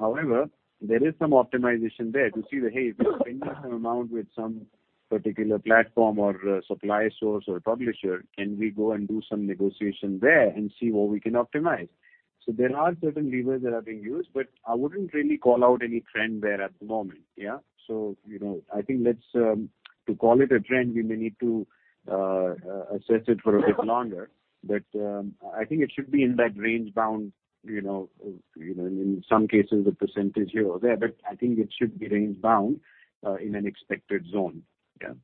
However, there is some optimization there to see that, "Hey, if we're spending some amount with some particular platform or supply source or publisher, can we go and do some negotiation there and see what we can optimize?" So there are certain levers that are being used, but I wouldn't really call out any trend there at the moment. Yeah. So, you know, I think let's to call it a trend, we may need to assess it for a bit longer. But, I think it should be in that range bound, you know, in some cases a percentage here or there, but I think it should be range bound in an expected zone. Yeah.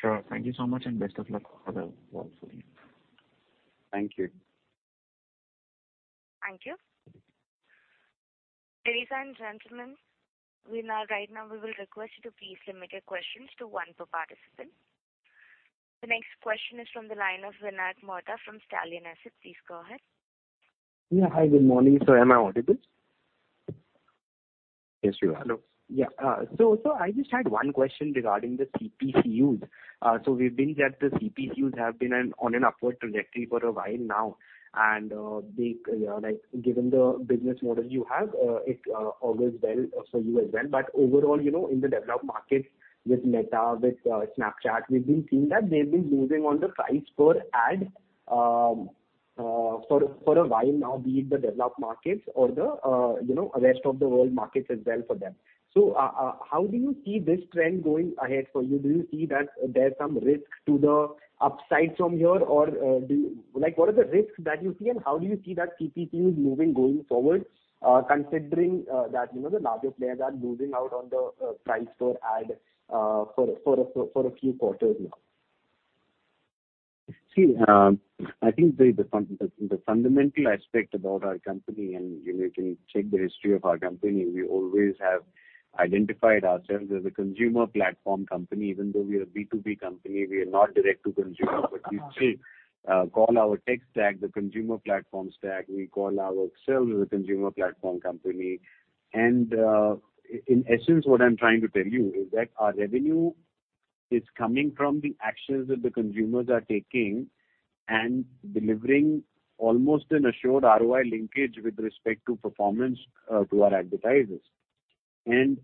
Sure. Thank you so much and best of luck for the rest of the year. Thank you. Thank you. Ladies and gentlemen, right now we will request you to please limit your questions to one per participant. The next question is from the line of Vinayak Mohta from Stallion Asset. Please go ahead. Yeah. Hi. Good morning, sir. Am I audible? Yes, you are. Hello. Yeah. So I just had one question regarding the CPCUs. So we've seen that the CPCUs have been on an upward trajectory for a while now, and like, given the business model you have, it augurs well for you as well. Overall, you know, in the developed markets with Meta, with Snapchat, we've been seeing that they've been losing on the price per ad for a while now, be it the developed markets or the rest of the world markets as well for them. How do you see this trend going ahead for you? Do you see that there's some risk to the upside from here? Or do Like, what are the risks that you see, and how do you see that CPCUs moving going forward, considering that, you know, the larger players are losing out on the price per ad for a few quarters now? See, I think the fundamental aspect about our company, and, you know, you can check the history of our company, we always have identified ourselves as a consumer platform company. Even though we are a B2B company, we are not direct to consumer. Uh-huh. We still call our tech stack the Consumer Platform Stack. We call ourselves a consumer platform company. In essence, what I'm trying to tell you is that our revenue is coming from the actions that the consumers are taking and delivering almost an assured ROI linkage with respect to performance to our advertisers. When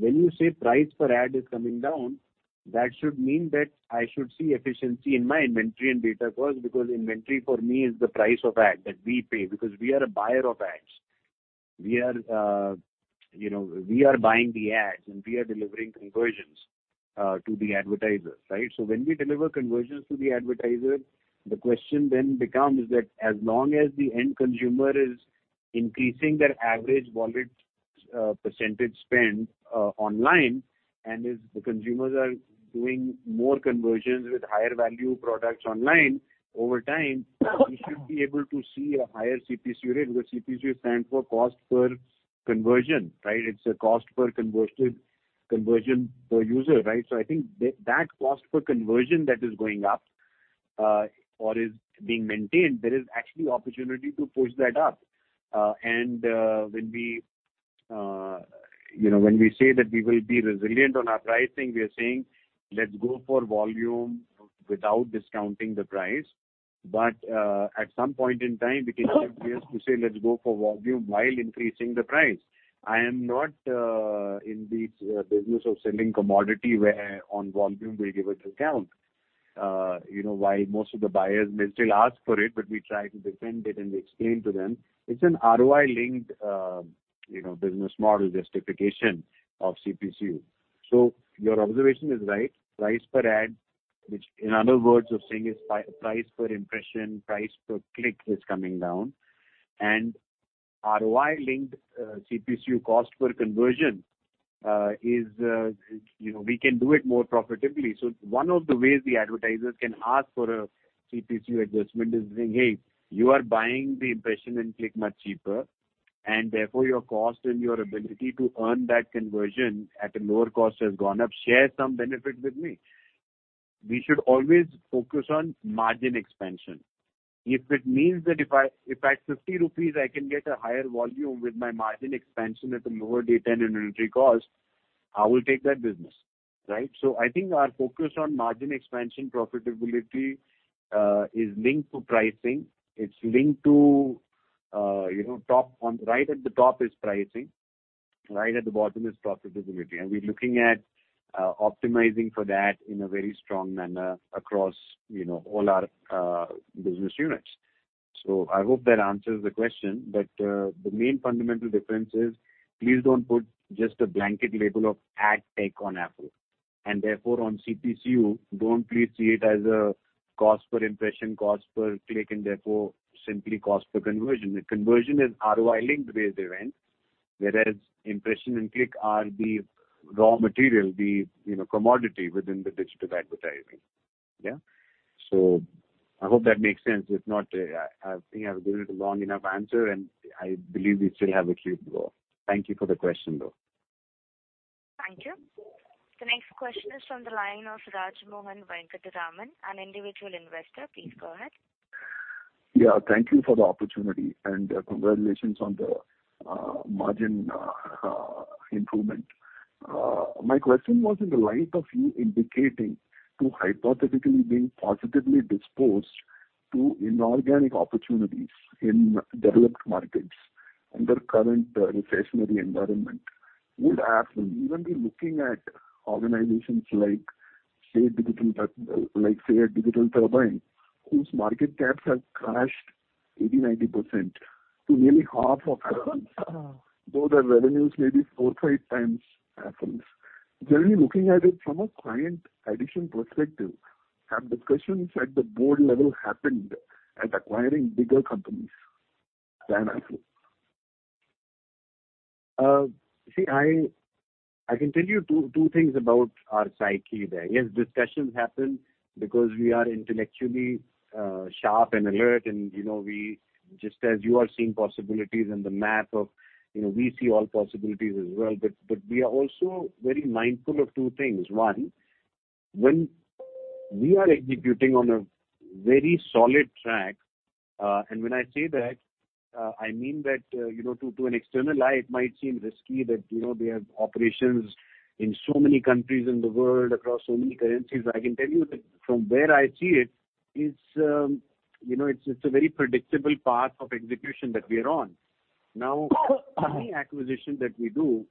you say price per ad is coming down, that should mean that I should see efficiency in my inventory and data costs, because inventory for me is the price of ad that we pay, because we are a buyer of ads. We are, you know, we are buying the ads, and we are delivering conversions to the advertisers, right? When we deliver conversions to the advertiser, the question then becomes that as long as the end consumer is increasing their average wallet, percentage spend, online, and if the consumers are doing more conversions with higher value products online, over time, we should be able to see a higher CPCU rate, because CPCU stands for cost per conversion, right? It's a cost per converted conversion per user, right? I think that cost per conversion that is going up, or is being maintained, there is actually opportunity to push that up. When we say that we will be resilient on our pricing, we are saying, "Let's go for volume without discounting the price." At some point in time, we can also say, "Let's go for volume while increasing the price." I am not in the business of selling commodity where on volume we give a discount. You know, while most of the buyers may still ask for it, but we try to defend it and explain to them it's an ROI-linked business model justification of CPCU. Your observation is right. Price per ad, which in other words of saying is price-price per impression, price per click is coming down. ROI-linked CPCU cost per conversion is we can do it more profitably. One of the ways the advertisers can ask for a CPCU adjustment is saying, "Hey, you are buying the impression and click much cheaper, and therefore your cost and your ability to earn that conversion at a lower cost has gone up. Share some benefit with me." We should always focus on margin expansion. If it means that if at 50 rupees I can get a higher volume with my margin expansion at a lower data and inventory cost, I will take that business, right? I think our focus on margin expansion profitability is linked to pricing. It's linked to, you know, right at the top is pricing, right at the bottom is profitability. We're looking at optimizing for that in a very strong manner across, you know, all our business units. I hope that answers the question. The main fundamental difference is please don't put just a blanket label of ad tech on Affle. Therefore, on CPCU, don't please see it as a cost per impression, cost per click, and therefore simply cost per conversion. The conversion is ROI-linked-based event, whereas impression and click are the raw material, you know, commodity within the digital advertising. Yeah. I hope that makes sense. If not, I think I've given it a long enough answer, and I believe we still have a few to go. Thank you for the question, though. Thank you. The next question is from the line of Rajmohan Venkatraman, an individual investor. Please go ahead. Yeah, thank you for the opportunity, and congratulations on the margin improvement. My question was in the light of you indicating to hypothetically being positively disposed to inorganic opportunities in developed markets under current recessionary environment. Would Affle even be looking at organizations like, say, a Digital Turbine, whose market caps have crashed 80%-90% to nearly half of Affle's, though their revenues may be 4-5 times Affle's. Generally looking at it from a client acquisition perspective, have discussions at the board level happened at acquiring bigger companies than Affle? See, I can tell you two things about our psyche there. Yes, discussions happen because we are intellectually sharp and alert and, you know, just as you are seeing possibilities in the math of, you know, we see all possibilities as well. We are also very mindful of two things. One, we are executing on a very solid track. When I say that, I mean that, you know, to an external eye, it might seem risky that, you know, we have operations in so many countries in the world across so many currencies. I can tell you that from where I see it is, you know, it's a very predictable path of execution that we are on. Now, any acquisition that we do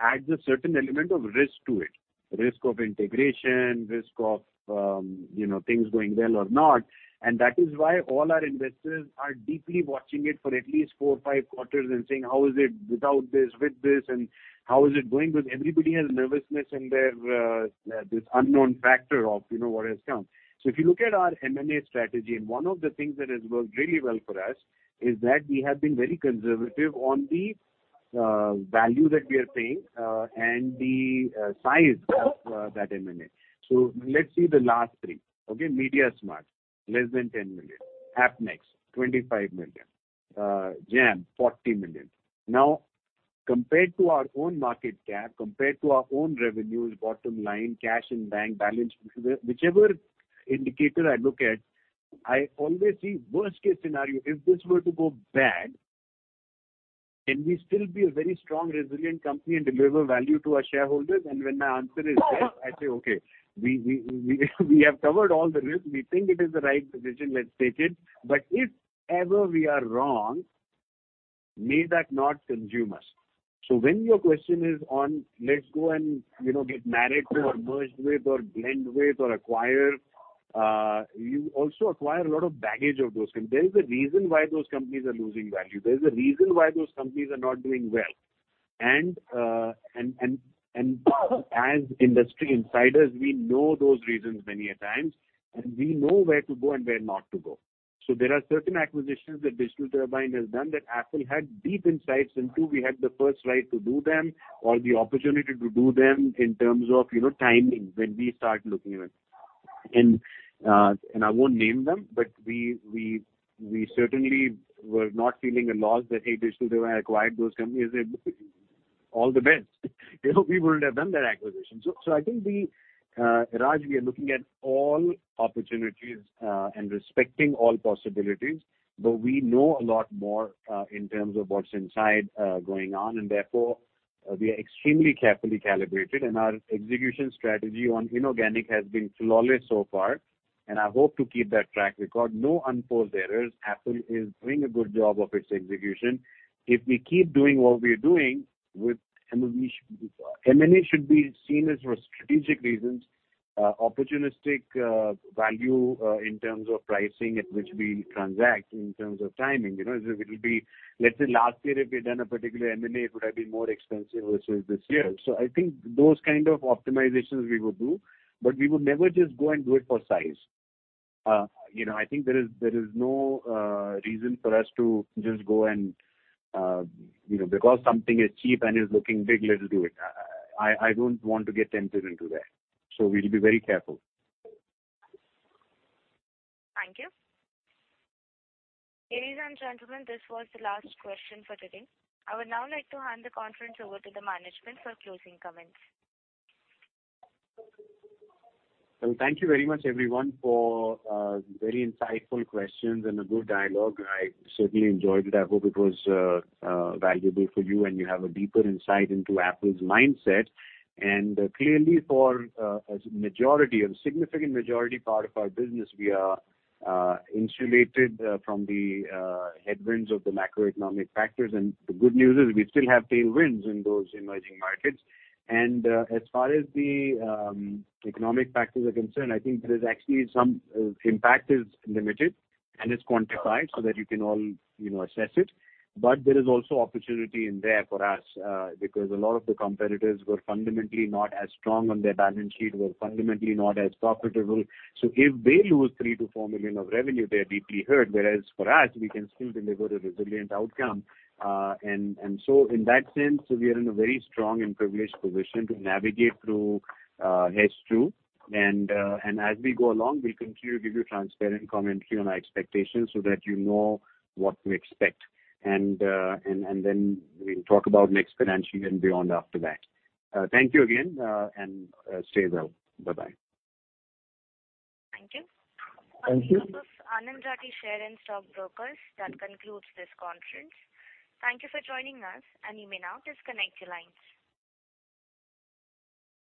adds a certain element of risk to it. Risk of integration, risk of, you know, things going well or not. That is why all our investors are deeply watching it for at least 4-5 quarters and saying, "How is it without this, with this, and how is it going?" Because everybody has nervousness in their this unknown factor of, you know, what has come. If you look at our M&A strategy, and one of the things that has worked really well for us, is that we have been very conservative on the value that we are paying, and the size of that M&A. Let's see the last three. Okay? mediasmart, less than 10 million. Appnext, 25 million. Jampp, 40 million. Now, compared to our own market cap, compared to our own revenues, bottom line, cash in bank balance, whichever indicator I look at, I always see worst-case scenario. If this were to go bad, can we still be a very strong, resilient company and deliver value to our shareholders? When my answer is yes, I say, okay, we have covered all the risk. We think it is the right decision. Let's take it. If ever we are wrong, may that not consume us. When your question is on, let's go and, you know, get married to, or merged with, or blend with, or acquire, you also acquire a lot of baggage of those. There is a reason why those companies are losing value. There is a reason why those companies are not doing well. As industry insiders, we know those reasons many a times, and we know where to go and where not to go. There are certain acquisitions that Digital Turbine has done that Apple had deep insights into. We had the first right to do them or the opportunity to do them in terms of, you know, timing when we start looking at. I won't name them, but we certainly were not feeling a loss that, "Hey, Digital Turbine acquired those companies." All the best. You know, we wouldn't have done that acquisition. I think we, Raj, are looking at all opportunities and respecting all possibilities, but we know a lot more in terms of what's inside going on. Therefore, we are extremely carefully calibrated, and our execution strategy on inorganic has been flawless so far, and I hope to keep that track record. No unforced errors. Affle is doing a good job of its execution. If we keep doing what we're doing with M&A, M&A should be seen as for strategic reasons, opportunistic, value, in terms of pricing at which we transact in terms of timing. You know, it'll be. Let's say last year, if we'd done a particular M&A, it would have been more expensive versus this year. I think those kind of optimizations we would do, but we would never just go and do it for size. You know, I think there is no reason for us to just go and, you know, because something is cheap and is looking big, let's do it. I don't want to get tempted into that. We'll be very careful. Thank you. Ladies and gentlemen, this was the last question for today. I would now like to hand the conference over to the management for closing comments. Well, thank you very much everyone for very insightful questions and a good dialogue. I certainly enjoyed it. I hope it was valuable for you, and you have a deeper insight into Affle's mindset. Clearly for a majority, a significant majority part of our business, we are insulated from the headwinds of the macroeconomic factors. The good news is we still have tailwinds in those emerging markets. As far as the economic factors are concerned, I think there is actually impact is limited and is quantified so that you can all, you know, assess it. There is also opportunity in there for us because a lot of the competitors were fundamentally not as strong on their balance sheet, were fundamentally not as profitable. If they lose 3-4 million of revenue, they're deeply hurt, whereas for us, we can still deliver a resilient outcome. In that sense, we are in a very strong and privileged position to navigate through, hedge through. As we go along, we'll continue to give you transparent commentary on our expectations so that you know what to expect. Then we'll talk about next financial year and beyond after that. Thank you again, stay well. Bye-bye. Thank you. Thank you. On behalf of Anand Rathi Share and Stock Brokers, that concludes this conference. Thank you for joining us, and you may now disconnect your lines.